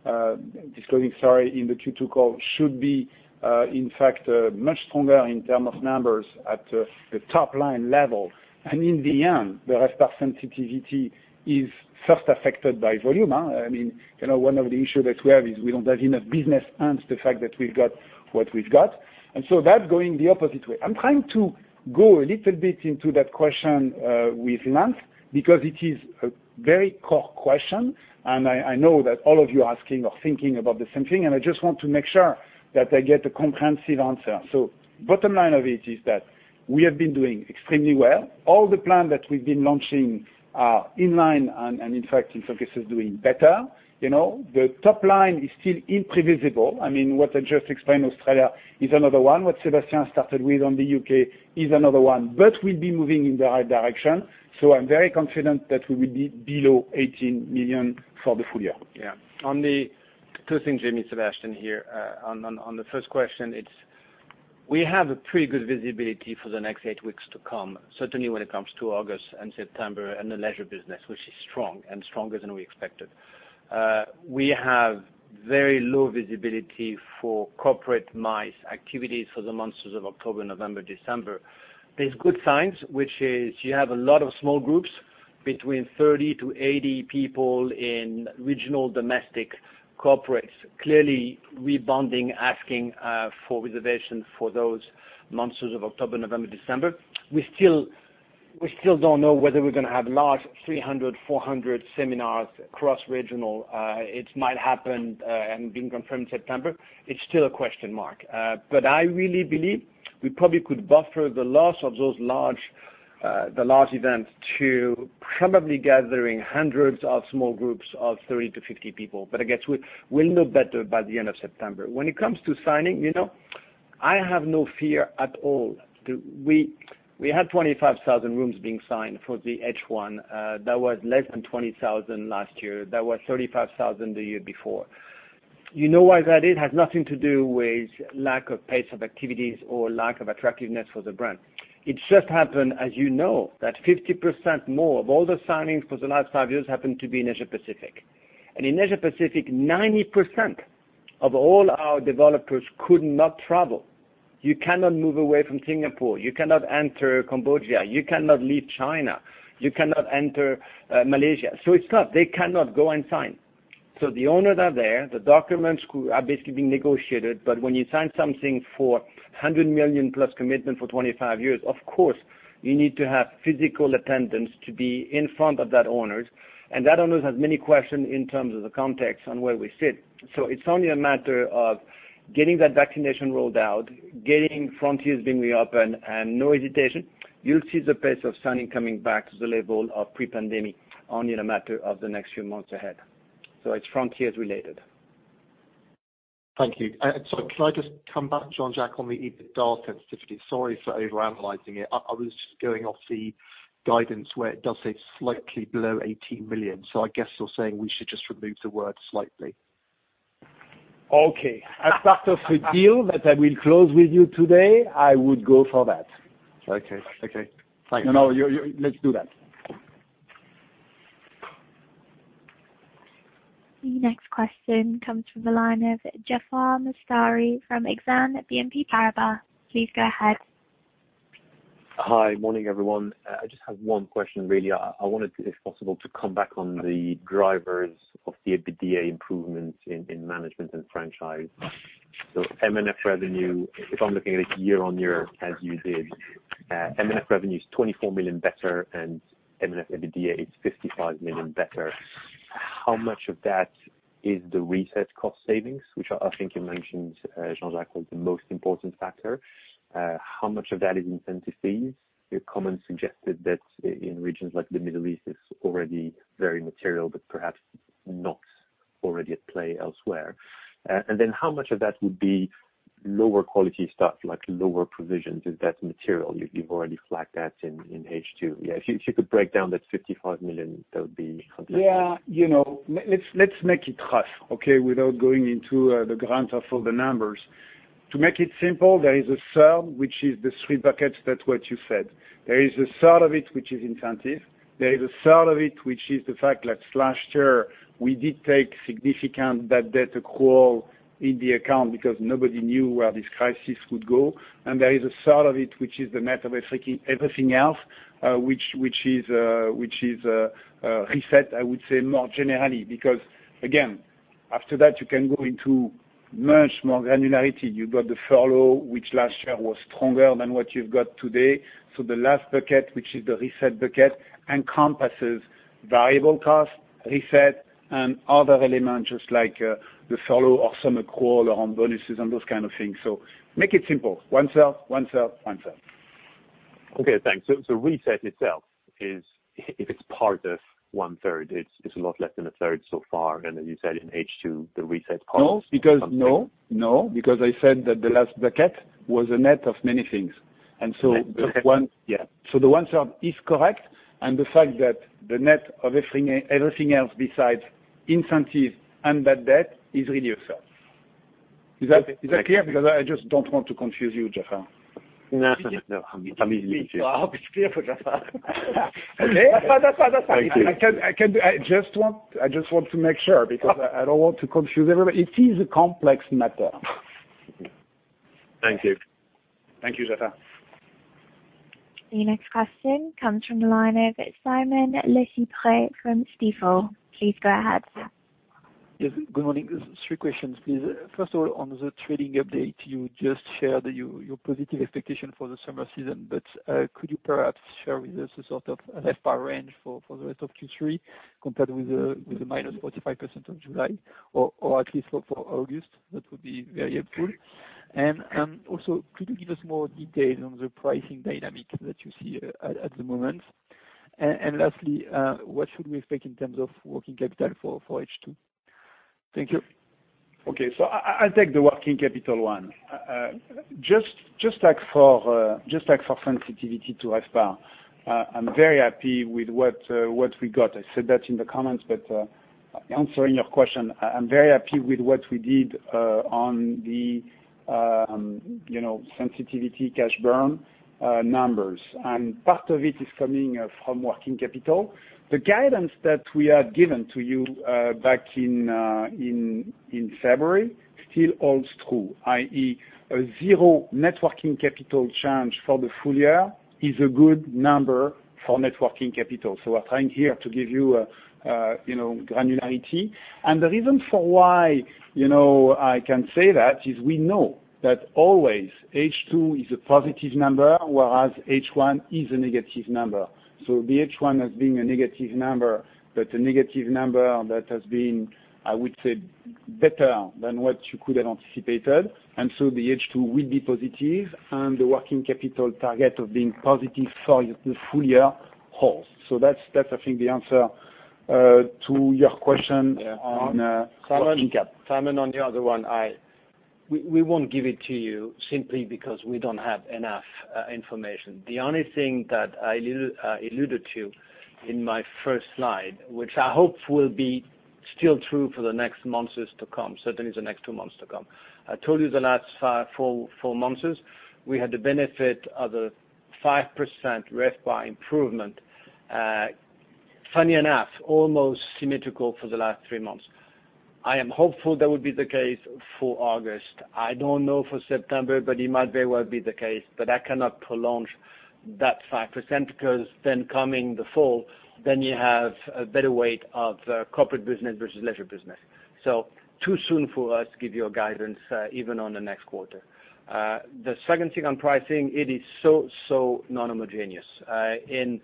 the Q2 call, should be, in fact, much stronger in terms of numbers at the top line level. And in the end, the RevPAR sensitivity is first affected by volume, huh? I mean, you know, one of the issues that we have is we don't have enough business and the fact that we've got what we've got. And so that's going the opposite way. I'm trying to go a little bit into that question with length because it is a very core question, and I know that all of you are asking or thinking about the same thing, and I just want to make sure that I get a comprehensive answer. So bottom line of it is that we have been doing extremely well. All the plans that we've been launching are in line and, and in fact, in focus is doing better. You know, the top line is still unpredictable. I mean, what I just explained, Australia is another one. What Sébastien started with on the UK is another one, but we'll be moving in the right direction. So I'm very confident that we will be below 18 million for the full year. Yeah. On the two things, it's me, Sebastian here, on the first question, it's we have a pretty good visibility for the next eight weeks to come, certainly when it comes to August and September and the leisure business, which is strong and stronger than we expected. We have very low visibility for corporate MICE activities for the months of October, November, December. There's good signs, which is you have a lot of small groups between 30 to 80 people in regional domestic corporates clearly rebounding, asking for reservation for those months of October, November, December. We still don't know whether we're gonna have large 300, 400 seminars cross-regional. It might happen, and being confirmed September. It's still a question mark. But I really believe we probably could buffer the loss of those large events to probably gathering hundreds of small groups of 30-50 people. But I guess we'll know better by the end of September. When it comes to signing, you know, I have no fear at all. We had 25,000 rooms being signed for the H1. That was less than 20,000 last year. That was 35,000 the year before. You know why that is? It has nothing to do with lack of pace of activities or lack of attractiveness for the brand. It just happened, as you know, that 50% more of all the signings for the last five years happened to be in Asia-Pacific. And in Asia-Pacific, 90% of all our developers could not travel. You cannot move away from Singapore. You cannot enter Cambodia. You cannot leave China. You cannot enter Malaysia. So it's not they cannot go and sign. So the owners are there. The documents are basically being negotiated. But when you sign something for 100 million plus commitment for 25 years, of course, you need to have physical attendance to be in front of that owners. And that owner has many questions in terms of the context on where we sit. So it's only a matter of getting that vaccination rolled out, getting frontiers being reopened, and no hesitation. You'll see the pace of signing coming back to the level of pre-pandemic only in a matter of the next few months ahead. So it's frontiers related. Thank you. So can I just come back, Jean-Jacques, on the EBITDA sensitivity? Sorry for overanalyzing it. I was just going off the guidance where it does say slightly below 18 million. So I guess you're saying we should just remove the word slightly. Okay. As part of a deal that I will close with you today, I would go for that. Okay. Thanks. No, no. You, you, let's do that. The next question comes from the line of Jaafar Mestari from Exane BNP Paribas. Please go ahead. Hi, morning, everyone. I just have one question, really. I wanted, if possible, to come back on the drivers of the EBITDA improvements in management and franchise. So M&F revenue, if I'm looking at it year on year as you did, M&F revenue is 24 million better, and M&F EBITDA is 55 million better. How much of that is the Reset cost savings, which I think you mentioned, Jean-Jacques, was the most important factor? How much of that is incentive fees? Your comments suggested that in regions like the Middle East, it's already very material, but perhaps not already at play elsewhere. And then how much of that would be lower quality stuff, like lower provisions? Is that material? You've already flagged that in H2. Yeah. If you could break down that 55 million, that would be fantastic. Yeah. You know, let's make it rough, okay, without going into the granular of all the numbers. To make it simple, there is a third, which is the three buckets. That's what you said. There is a third of it, which is incentive. There is a third of it, which is the fact that last year we did take significant bad debt accrual in the account because nobody knew where this crisis would go. And there is a third of it, which is the net of everything, everything else, which is Reset, I would say, more generally, because, again, after that, you can go into much more granularity. You've got the furlough, which last year was stronger than what you've got today. So the last bucket, which is the Reset bucket, encompasses variable cost, Reset, and other elements just like, the furlough or some accrual around bonuses and those kind of things. So make it simple. One third, one third, one third. Okay. Thanks. So Reset itself is, if it's part of one third, it's a lot less than a third so far. And as you said, in H2, the Reset part is one third. No, because I said that the last bucket was a net of many things. And so the one. Okay. Okay. Yeah. So the one third is correct, and the fact that the net of everything, everything else besides incentive and bad debt is really a third. Is that, is that clear? Because I, I just don't want to confuse you, Jaafar. No, no, no. I'm easily confused. I'll be clear for Jaafar. Okay. That's fine. I can do. I just want to make sure because I don't want to confuse everybody. It is a complex matter. Thank you. Thank you, Jaafar. The next question comes from the line of Simon LeChipre from Stifel. Please go ahead. Yes. Good morning. Just three questions, please. First of all, on the trading update, you just shared your positive expectation for the summer season, but could you perhaps share with us a sort of a RevPAR range for the rest of Q3 compared with the -45% of July or at least for August? That would be very helpful. And also, could you give us more details on the pricing dynamic that you see at the moment? And lastly, what should we expect in terms of working capital for H2? Thank you. Okay, so I'll take the working capital one. Just like for sensitivity to RevPAR, I'm very happy with what we got. I said that in the comments, but answering your question, I'm very happy with what we did on the, you know, sensitivity cash burn numbers. And part of it is coming from working capital. The guidance that we had given to you back in February still holds true, i.e., a zero working capital change for the full year is a good number for working capital. So we're trying here to give you a, you know, granularity. And the reason for why, you know, I can say that is we know that always H2 is a positive number, whereas H1 is a negative number. So the H1 has been a negative number, but a negative number that has been, I would say, better than what you could have anticipated. And so the H2 will be positive, and the working capital target of being positive for the full year holds. So that's, that's, I think, the answer to your question on working capital. Simon, on the other one, we won't give it to you simply because we don't have enough information. The only thing that I alluded to in my first slide, which I hope will be still true for the next months to come, certainly the next two months to come. I told you the last five or four months, we had the benefit of the 5% RevPAR improvement. Funny enough, almost symmetrical for the last three months. I am hopeful that would be the case for August. I don't know for September, but it might very well be the case, but I cannot prolong that 5% because then coming the fall, then you have a better weight of corporate business versus leisure business. So too soon for us to give you a guidance, even on the next quarter. The second thing on pricing, it is so, so non-homogeneous. In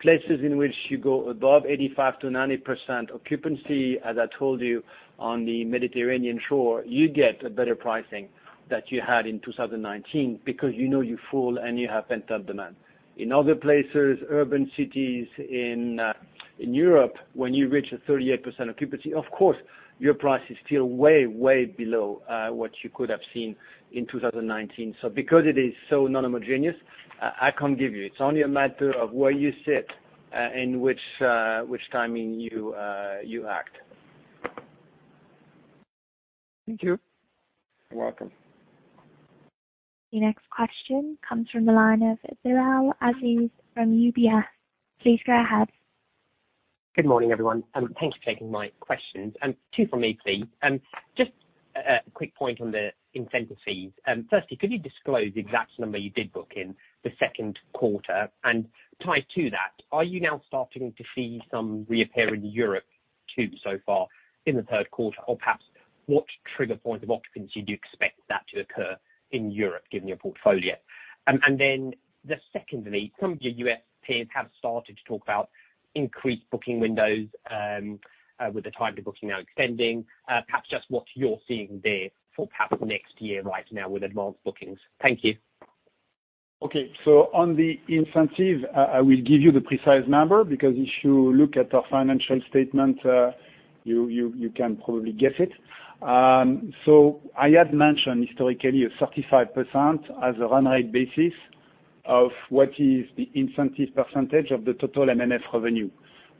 places in which you go above 85%-90% occupancy, as I told you, on the Mediterranean, you get a better pricing that you had in 2019 because you know you fall and you have pent-up demand. In other places, urban cities in, in Europe, when you reach a 38% occupancy, of course, your price is still way, way below, what you could have seen in 2019. So because it is so non-homogeneous, I can't give you. It's only a matter of where you sit, and which, which timing you, you act. Thank you. You're welcome. The next question comes from the line of Jarrod Castle from UBS. Please go ahead. Good morning, everyone. Thank you for taking my questions. Two from me, please. Just, a quick point on the incentive fees. Firstly, could you disclose the exact number you did book in the second quarter? And tied to that, are you now starting to see some reappear in Europe too so far in the third quarter? Or perhaps what trigger point of occupancy do you expect that to occur in Europe given your portfolio? And then secondly, some of your U.S. peers have started to talk about increased booking windows, with the time to booking now extending. Perhaps just what you're seeing there for perhaps next year right now with advanced bookings. Thank you. Okay. So on the incentive, I will give you the precise number because if you look at our financial statement, you can probably guess it. So I had mentioned historically a 35% as a run rate basis of what is the incentive percentage of the total M&F revenue.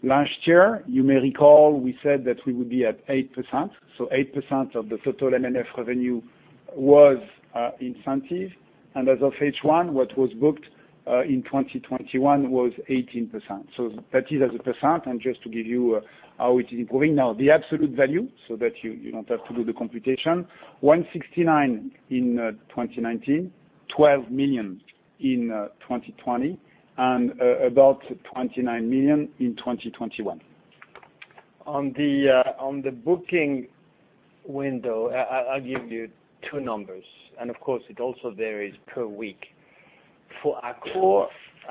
Last year, you may recall we said that we would be at 8%. So 8% of the total M&F revenue was incentive. And as of H1, what was booked in 2021 was 18%. So that is as a percent. And just to give you how it is improving. Now, the absolute value so that you don't have to do the computation: 169 million in 2019, 12 million in 2020, and about 29 million in 2021. On the booking window, I'll give you two numbers. And of course, it also varies per week. For Accor,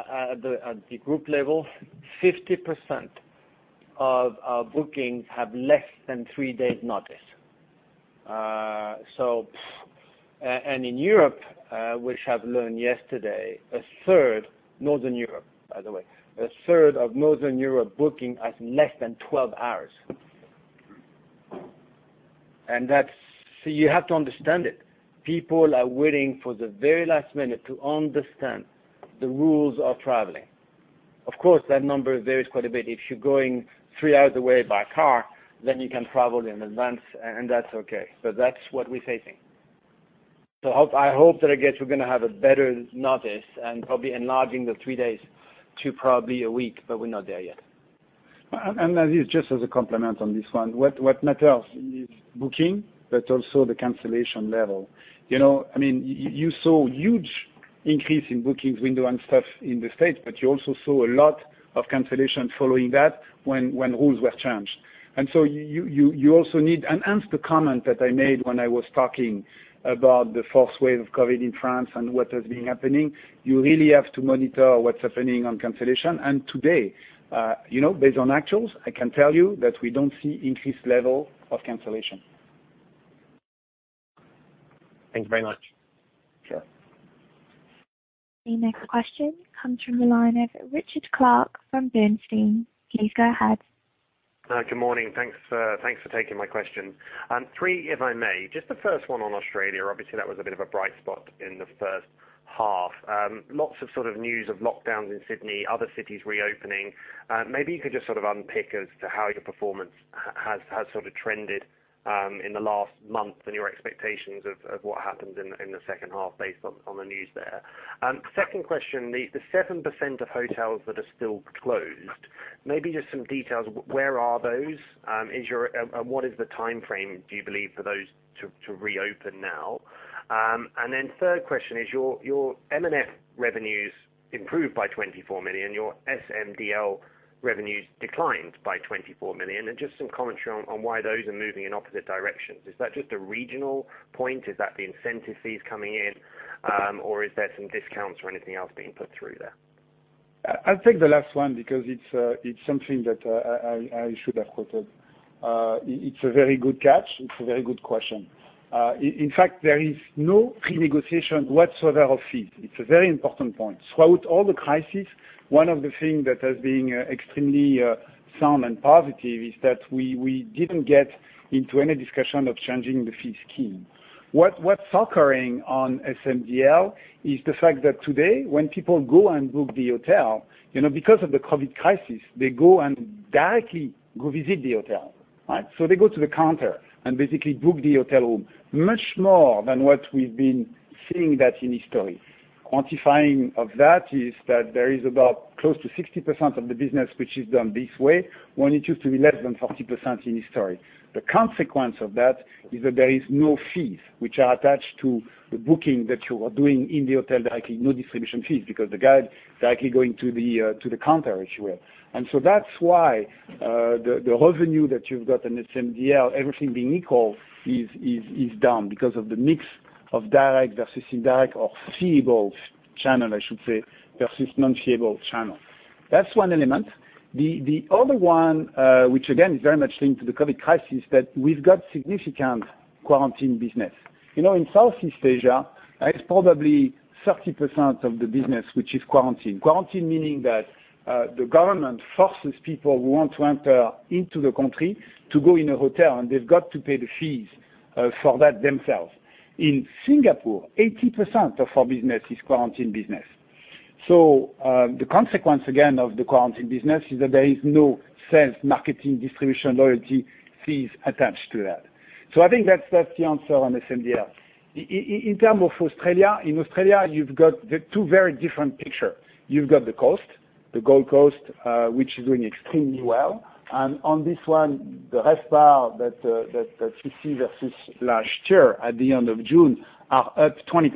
at the group level, 50% of our bookings have less than three days' notice. And in Europe, which I've learned yesterday, a third—Northern Europe, by the way—of Northern Europe bookings has less than 12 hours. And that's so you have to understand it. People are waiting for the very last minute to understand the rules of traveling. Of course, that number varies quite a bit. If you're going three hours away by car, then you can travel in advance, and that's okay. But that's what we're facing. I hope that, I guess, we're gonna have a better notice and probably enlarging the three days to probably a week, but we're not there yet. And as a complement on this one, what matters is booking, but also the cancellation level. You know, I mean, you saw huge increase in bookings window and stuff in the States, but you also saw a lot of cancellation following that when rules were changed. And so you also need, and the comment that I made when I was talking about the fourth wave of COVID in France and what has been happening, you really have to monitor what's happening on cancellation. And today, you know, based on actuals, I can tell you that we don't see increased level of cancellation. Thank you very much. Sure. The next question comes from the line of Richard Clarke from Bernstein. Please go ahead. Good morning. Thanks for taking my question. Three, if I may, just the first one on Australia. Obviously, that was a bit of a bright spot in the first half. Lots of sort of news of lockdowns in Sydney, other cities reopening. Maybe you could just sort of unpick as to how your performance has sort of trended in the last month and your expectations of what happens in the second half based on the news there. Second question, the 7% of hotels that are still closed, maybe just some details. Where are those? What is the timeframe, do you believe, for those to reopen now? And then third question is your M&F revenues improved by 24 million, your SMDL revenues declined by 24 million, and just some commentary on why those are moving in opposite directions. Is that just a regional point? Is that the incentive fees coming in? Or is there some discounts or anything else being put through there? I'll take the last one because it's something that I should have quoted. It's a very good catch. It's a very good question. In fact, there is no renegotiation whatsoever of fees. It's a very important point. Throughout all the crisis, one of the things that has been extremely sound and positive is that we didn't get into any discussion of changing the fee scheme. What's occurring on SMDL is the fact that today, when people go and book the hotel, you know, because of the COVID crisis, they go and directly visit the hotel, right? So they go to the counter and basically book the hotel room much more than what we've been seeing in history. Quantifying of that is that there is about close to 60% of the business which is done this way when it used to be less than 40% in history. The consequence of that is that there is no fees which are attached to the booking that you are doing in the hotel directly, no distribution fees because the guest is directly going to the counter, if you will. And so that's why the revenue that you've got in SMDL, everything being equal, is down because of the mix of direct versus indirect or feeable channel, I should say, versus non-feeable channel. That's one element. The other one, which again is very much linked to the COVID crisis, is that we've got significant quarantine business. You know, in Southeast Asia, it's probably 30% of the business which is quarantine. Quarantine, meaning that the government forces people who want to enter into the country to go in a hotel, and they've got to pay the fees for that themselves. In Singapore, 80% of our business is quarantine business. So the consequence, again, of the quarantine business is that there is no sales, marketing, distribution, loyalty fees attached to that. So I think that's the answer on SMDL. In terms of Australia, in Australia, you've got two very different pictures. You've got the coast, the Gold Coast, which is doing extremely well. And on this one, the RevPAR that you see versus last year at the end of June are up 20%.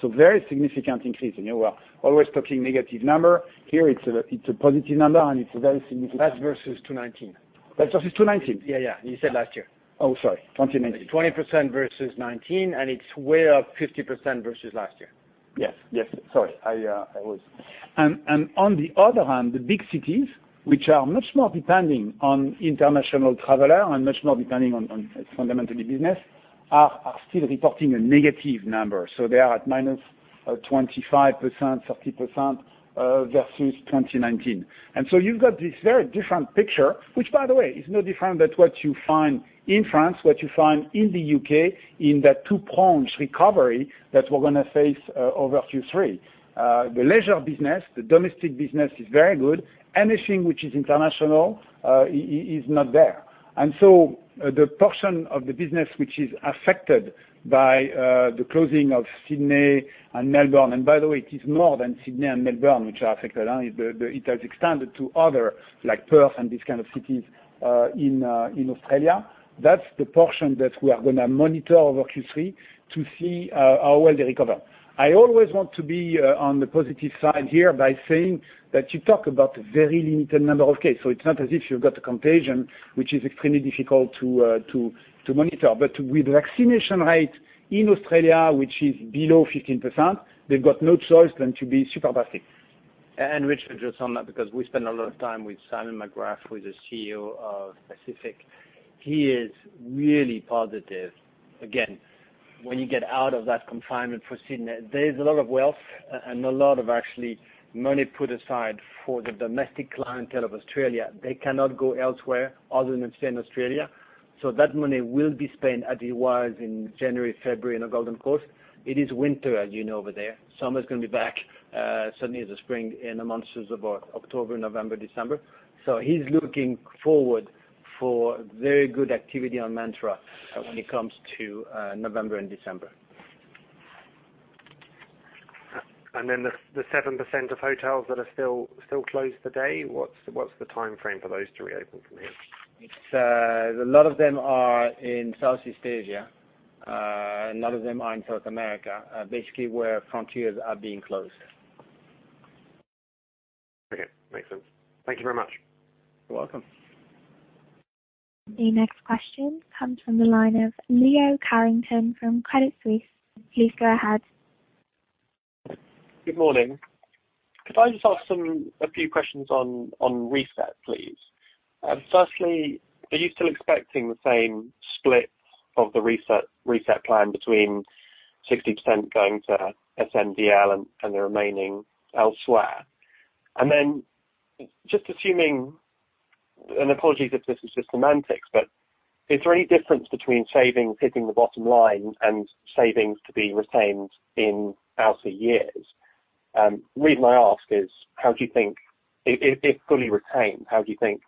So very significant increase. And you were always talking negative number. Here, it's a positive number, and it's a very significant increase. That's versus 2019. That's versus 2019? Yeah, yeah. You said last year. Oh, sorry. 2019. 20% versus 2019, and it's way up 50% versus last year. Yes, yes. Sorry. I was. And on the other hand, the big cities, which are much more dependent on international travelers and much more dependent on fundamentally business, are still reporting a negative number. So they are at minus 25%-30% versus 2019. And so you've got this very different picture, which, by the way, is no different than what you find in France, what you find in the UK in that two-pronged recovery that we're gonna face over Q3. The leisure business, the domestic business is very good. Anything which is international is not there. And so the portion of the business which is affected by the closing of Sydney and Melbourne, and by the way, it is more than Sydney and Melbourne which are affected, huh? It has extended to other like Perth and these kind of cities, in Australia, that's the portion that we are gonna monitor over Q3 to see how well they recover. I always want to be on the positive side here by saying that you talk about a very limited number of cases. So it's not as if you've got a contagion which is extremely difficult to monitor. But with the vaccination rate in Australia, which is below 15%, they've got no choice than to be super strict. And Richard, just on that, because we spend a lot of time with Simon McGrath, who is the CEO of Pacific. He is really positive. Again, when you get out of that confinement for Sydney, there's a lot of wealth and a lot of actual money put aside for the domestic clientele of Australia. They cannot go elsewhere other than stay in Australia. So that money will be spent as it was in January, February, and the Gold Coast. It is winter, as you know, over there. Summer's gonna be back, certainly in the spring in the months of October, November, December. So he's looking forward for very good activity on Mantra, when it comes to November and December. And then the 7% of hotels that are still closed today, what's the timeframe for those to reopen from here? A lot of them are in Southeast Asia. A lot of them are in South America, basically where frontiers are being closed. Okay. Makes sense. Thank you very much. You're welcome. The next question comes from the line of Leo Carrington from Credit Suisse. Please go ahead. Good morning. Could I just ask a few questions on Reset, please? Firstly, are you still expecting the same split of the Reset plan between 60% going to SMDL and the remaining elsewhere? Then just assuming—and apologies if this is just semantics—but is there any difference between savings hitting the bottom line and savings to be retained in outer years? The reason I ask is how do you think, if fully retained, how do you think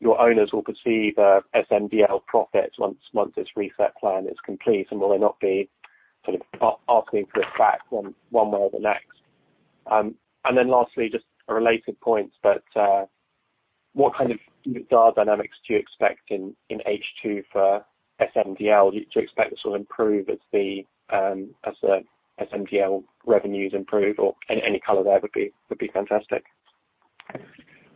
your owners will perceive SMDL profits once this Reset plan is complete? Will they not be sort of asking for it back one way or the next? Then lastly, just a related point, but what kind of, you know, RevPAR dynamics do you expect in H2 for SMDL? Do you expect this will improve as the SMDL revenues improve? Or any color there would be would be fantastic.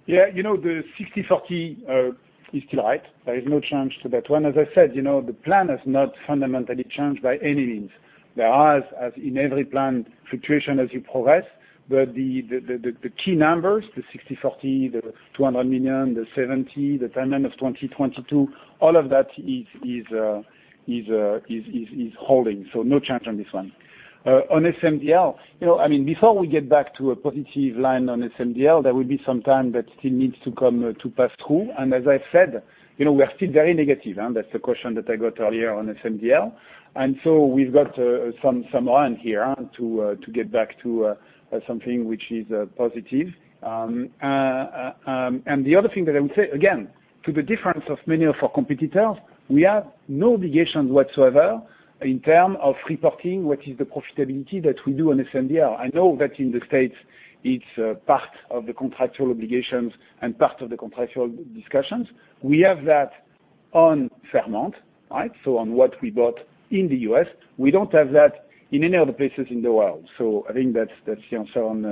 Yeah. You know, the 60/40 is still right. There is no change to that one. As I said, you know, the plan has not fundamentally changed by any means. There are, as in every plan, fluctuation as you progress. But the key numbers, the 60/40, the 200 million, the 70, the time end of 2022, all of that is holding. So no change on this one. On SMDL, you know, I mean, before we get back to a positive line on SMDL, there will be some time that still needs to come, to pass through. And as I've said, you know, we are still very negative, huh? That's the question that I got earlier on SMDL. And so we've got some run here to get back to something which is positive. And the other thing that I would say, again, to the difference of many of our competitors, we have no obligations whatsoever in terms of reporting what is the profitability that we do on SMDL. I know that in the States, it's part of the contractual obligations and part of the contractual discussions. We have that on Fairmont, right? So on what we bought in the US, we don't have that in any other places in the world. So I think that's the answer on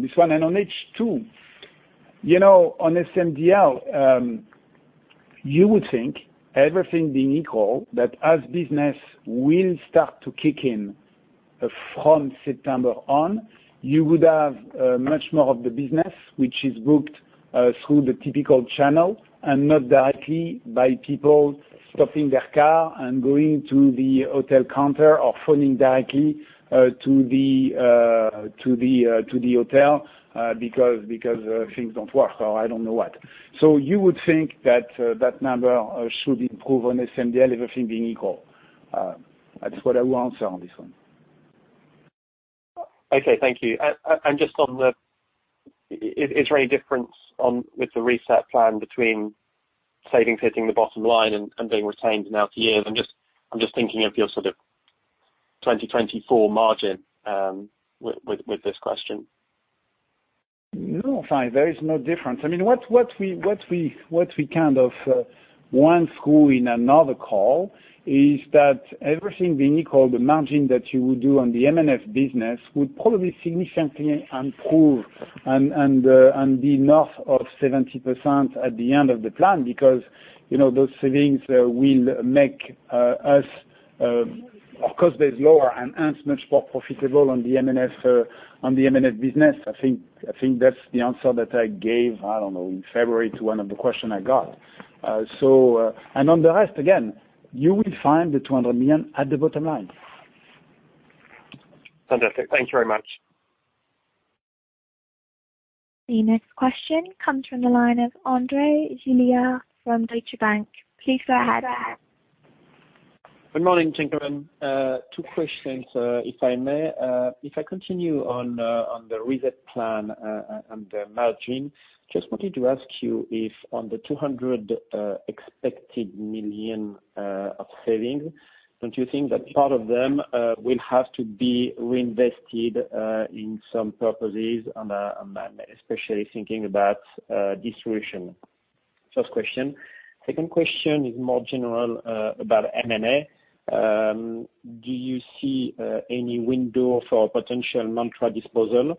this one. On H2, you know, on SMDL, you would think everything being equal, that as business will start to kick in, from September on, you would have much more of the business which is booked through the typical channel and not directly by people stopping their car and going to the hotel counter or phoning directly to the hotel, because things don't work or I don't know what. So you would think that number should improve on SMDL, everything being equal. That's what I will answer on this one. Okay. Thank you. And just on the, is there any difference on with the Reset plan between savings hitting the bottom line and being retained in outer years? I'm just thinking of your sort of 2024 margin, with this question. No, fine. There is no difference. I mean, what we kind of went through in another call is that everything being equal, the margin that you would do on the M&F business would probably significantly improve and be north of 70% at the end of the plan because, you know, those savings will make our cost base lower and much more profitable on the M&F business. I think that's the answer that I gave, I don't know, in February to one of the questions I got, and on the rest, again, you will find the 200 million at the bottom line. Fantastic. Thank you very much. The next question comes from the line of Andre Juillard from Deutsche Bank. Please go ahead. Good morning, gentlemen. Two questions, if I may. If I continue on the Reset plan and the margin, just wanted to ask you if on the 200 million expected of savings, don't you think that part of them will have to be reinvested in some purposes on a, especially thinking about distribution? First question. Second question is more general, about M&A. Do you see any window for potential Mantra disposal?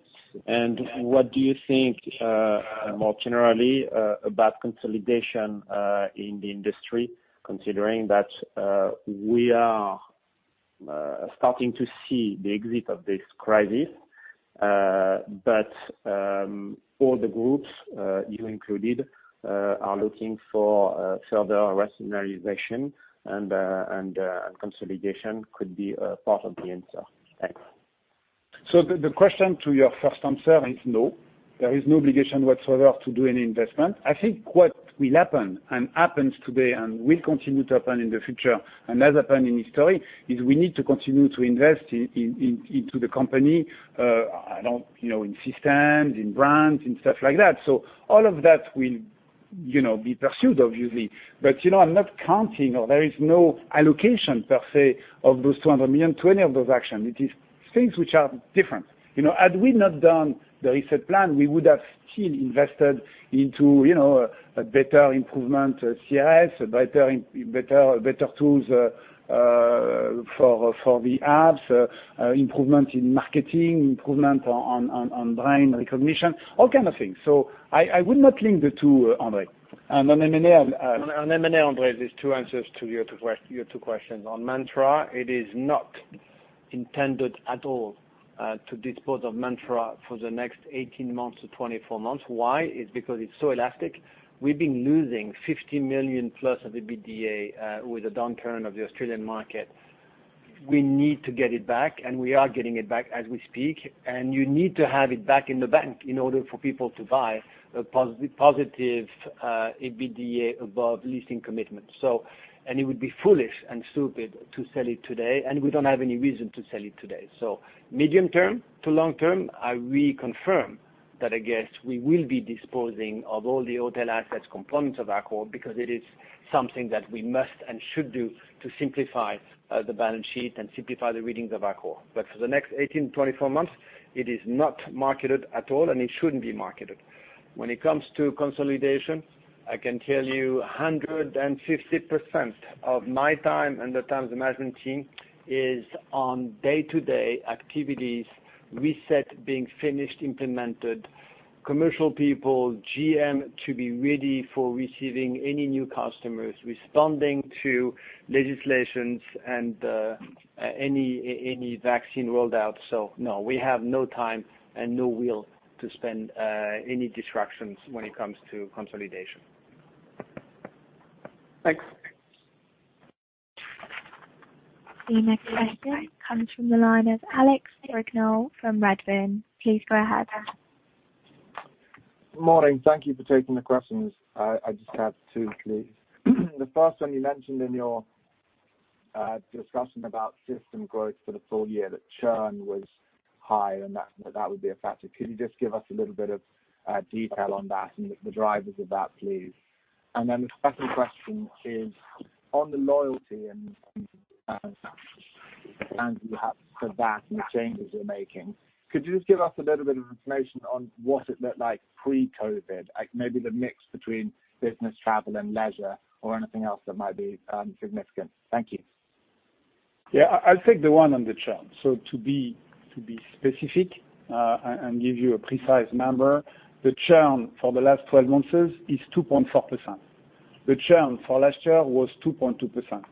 And what do you think, more generally, about consolidation in the industry, considering that we are starting to see the exit of this crisis? But all the groups, you included, are looking for further rationalization and consolidation could be part of the answer. Thanks. The question to your first answer is no. There is no obligation whatsoever to do any investment. I think what will happen and happens today and will continue to happen in the future and has happened in history is we need to continue to invest into the company, you know, in systems, in brands, in stuff like that. So all of that will, you know, be pursued, obviously. But, you know, I'm not counting or there is no allocation per se of those 200 million to any of those actions. It is things which are different. You know, had we not done the Reset plan, we would have still invested into, you know, a better improvement, CRS, better tools for the apps, improvement in marketing, improvement on brand recognition, all kind of things. So I would not link the two, Andre. And on M&A, I've. On M&A, Andre, these two answers to your two questions. On Mantra, it is not intended at all to dispose of Mantra for the next 18 months-24 months. Why? It's because it's so elastic. We've been losing 50 million plus of EBITDA with a downturn of the Australian market. We need to get it back, and we are getting it back as we speak. And you need to have it back in the bank in order for people to buy a positive EBITDA above leasing commitment. So, and it would be foolish and stupid to sell it today, and we don't have any reason to sell it today. So medium term to long term, I reconfirm that, I guess, we will be disposing of all the hotel assets components of our core because it is something that we must and should do to simplify the balance sheet and simplify the readings of our core. But for the next 18 months, 24 months, it is not marketed at all, and it shouldn't be marketed. When it comes to consolidation, I can tell you 150% of my time and the times of the management team is on day-to-day activities, Reset being finished, implemented, commercial people, GM to be ready for receiving any new customers, responding to legislations and any vaccine rollout. So no, we have no time and no will to spend any distractions when it comes to consolidation. Thanks. The next question comes from the line of Alex Brignall from Redburn. Please go ahead. Morning. Thank you for taking the questions. I just have two, please. The first one, you mentioned in your discussion about system growth for the full year that churn was high, and that would be a factor. Could you just give us a little bit of detail on that and the drivers of that, please? And then the second question is on the loyalty and you have for that and the changes you're making. Could you just give us a little bit of information on what it looked like pre-COVID, like maybe the mix between business, travel, and leisure, or anything else that might be significant? Thank you. Yeah. I'll take the one on the churn. So to be specific, and give you a precise number, the churn for the last 12 months is 2.4%. The churn for last year was 2.2%.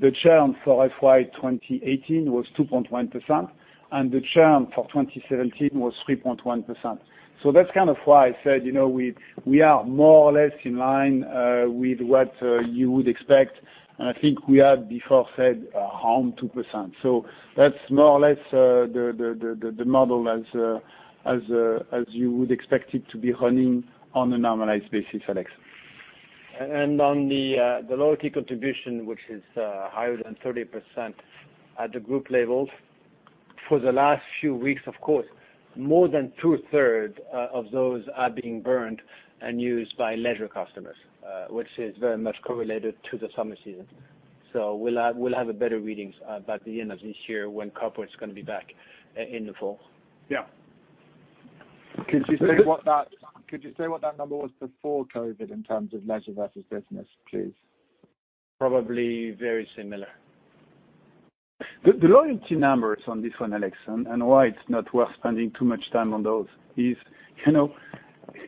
The churn for FY 2018 was 2.1%, and the churn for 2017 was 3.1%. So that's kind of why I said, you know, we are more or less in line with what you would expect. And I think we had before said around 2%. So that's more or less the model as you would expect it to be running on a normalized basis, Alex. And on the loyalty contribution, which is higher than 30% at the group levels, for the last few weeks, of course, more than two-thirds of those are being burned and used by leisure customers, which is very much correlated to the summer season. So we'll have better readings by the end of this year when corporates are gonna be back in the fall. Yeah. Could you say what that number was before COVID in terms of leisure versus business, please? Probably very similar. The loyalty numbers on this one, Alex, and why it's not worth spending too much time on those is, you know,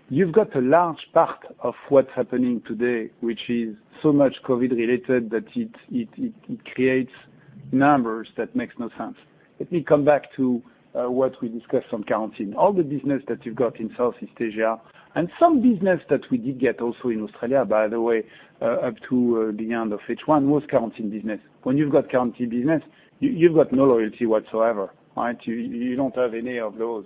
you've got a large part of what's happening today, which is so much COVID-related that it creates numbers that make no sense. Let me come back to what we discussed on quarantine. All the business that you've got in Southeast Asia and some business that we did get also in Australia, by the way, up to the end of H1 was quarantine business. When you've got quarantine business, you've got no loyalty whatsoever, right? You don't have any of those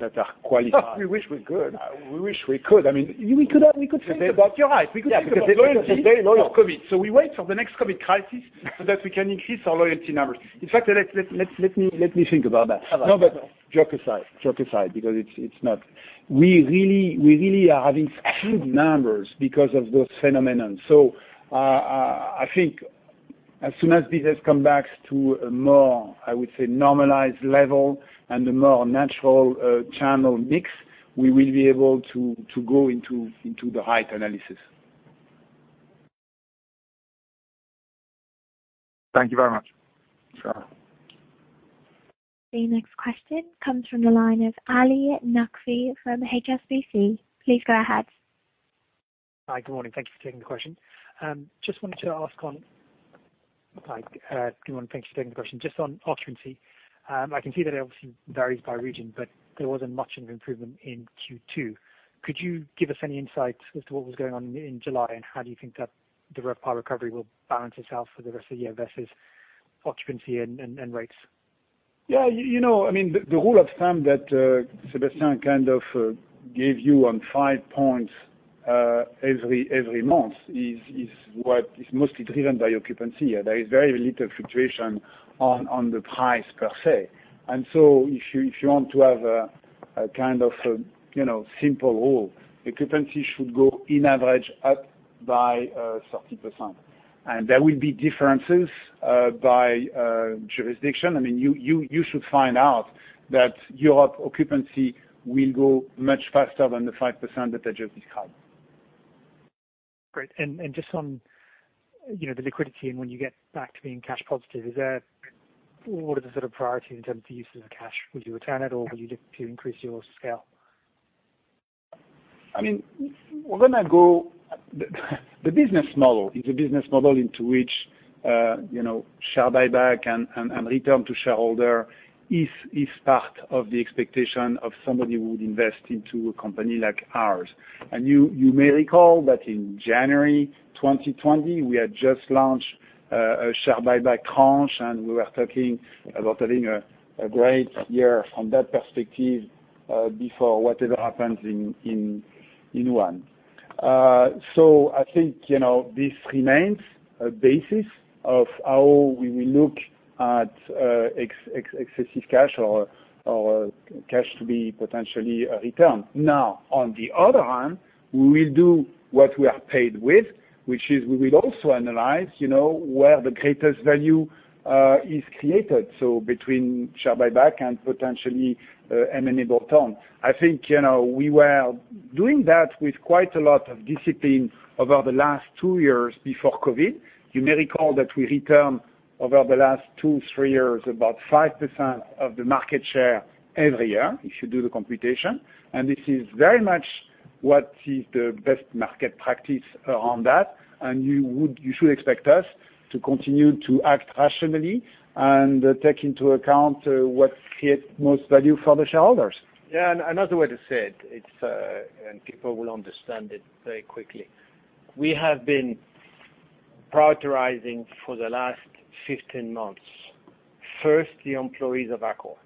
that are qualified. We wish we could. We wish we could. I mean. We could have said that. You're right. We could have because the loyalty is very low in COVID. So we wait for the next COVID crisis so that we can increase our loyalty numbers. In fact, let me think about that. No, but. Joking aside, because it's not. We really are having few numbers because of those phenomena. So, I think as soon as business comes back to a more normalized level and a more natural channel mix, we will be able to go into the right analysis. Thank you very much. Sure. The next question comes from the line of Ali Naqvi from HSBC. Please go ahead. Hi, good morning. Thank you for taking the question. Just on occupancy, I can see that it obviously varies by region, but there wasn't much of an improvement in Q2. Could you give us any insight as to what was going on in July, and how do you think that the RevPAR recovery will balance itself for the rest of the year versus occupancy and rates? Yeah. You know, I mean, the rule of thumb that Sébastien kind of gave you on five points every month is what is mostly driven by occupancy. There is very little fluctuation on the price per se. And so if you want to have a kind of, you know, simple rule, occupancy should go on average up by 30%. And there will be differences by jurisdiction. I mean, you should find out that Europe occupancy will go much faster than the 5% that I just described. Great. And just on, you know, the liquidity and when you get back to being cash positive, is there what are the sort of priorities in terms of the use of the cash? Will you return it, or will you look to increase your scale? I mean, the business model is a business model into which, you know, share buyback and return to shareholder is part of the expectation of somebody who would invest into a company like ours. You may recall that in January 2020, we had just launched a share buyback tranche, and we were talking about having a great year from that perspective, before whatever happens in 2020, so I think, you know, this remains a basis of how we will look at excessive cash or cash to be potentially returned. Now, on the other hand, we will do what we are paid with, which is we will also analyze, you know, where the greatest value is created, so between share buyback and potentially M&A bolt-on. I think, you know, we were doing that with quite a lot of discipline over the last two years before COVID. You may recall that we returned over the last two, three years about 5% of the market share every year if you do the computation. And this is very much what is the best market practice around that. And you should expect us to continue to act rationally and take into account what creates most value for the shareholders. Yeah. Another way to say it, it's, and people will understand it very quickly. We have been prioritizing for the last 15 months, first, the employees of our Accor,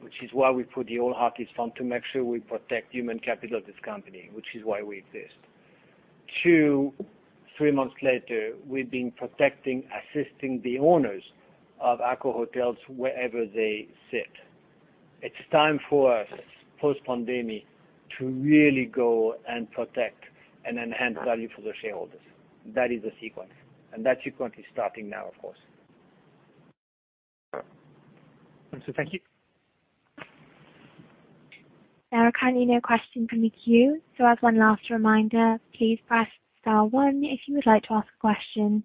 which is why we put the ALL Heartist Fund to make sure we protect human capital of this company, which is why we exist. Two, three months later, we've been protecting, assisting the owners of our Accor hotels wherever they sit. It's time for us post-pandemic to really go and protect and enhance value for the shareholders. That is the sequence, and that sequence is starting now, of course. Thank you. There are currently no questions from the queue. So as one last reminder, please press star one if you would like to ask a question.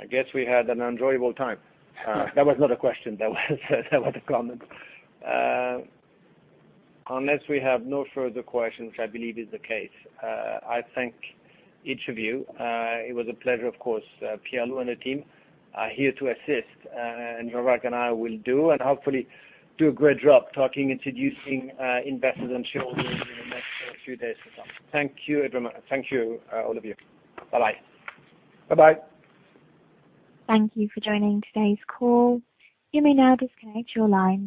I guess we had an enjoyable time. That was not a question. That was a comment. Unless we have no further questions, which I believe is the case, I thank each of you. It was a pleasure, of course, Pierre-Loup and the team, here to assist, and Jean-Jacques and I will do and hopefully do a great job talking, introducing, investors and shareholders in the next few days or so. Thank you everyone. Thank you, all of you. Bye-bye. Bye-bye. Thank you for joining today's call. You may now disconnect your line.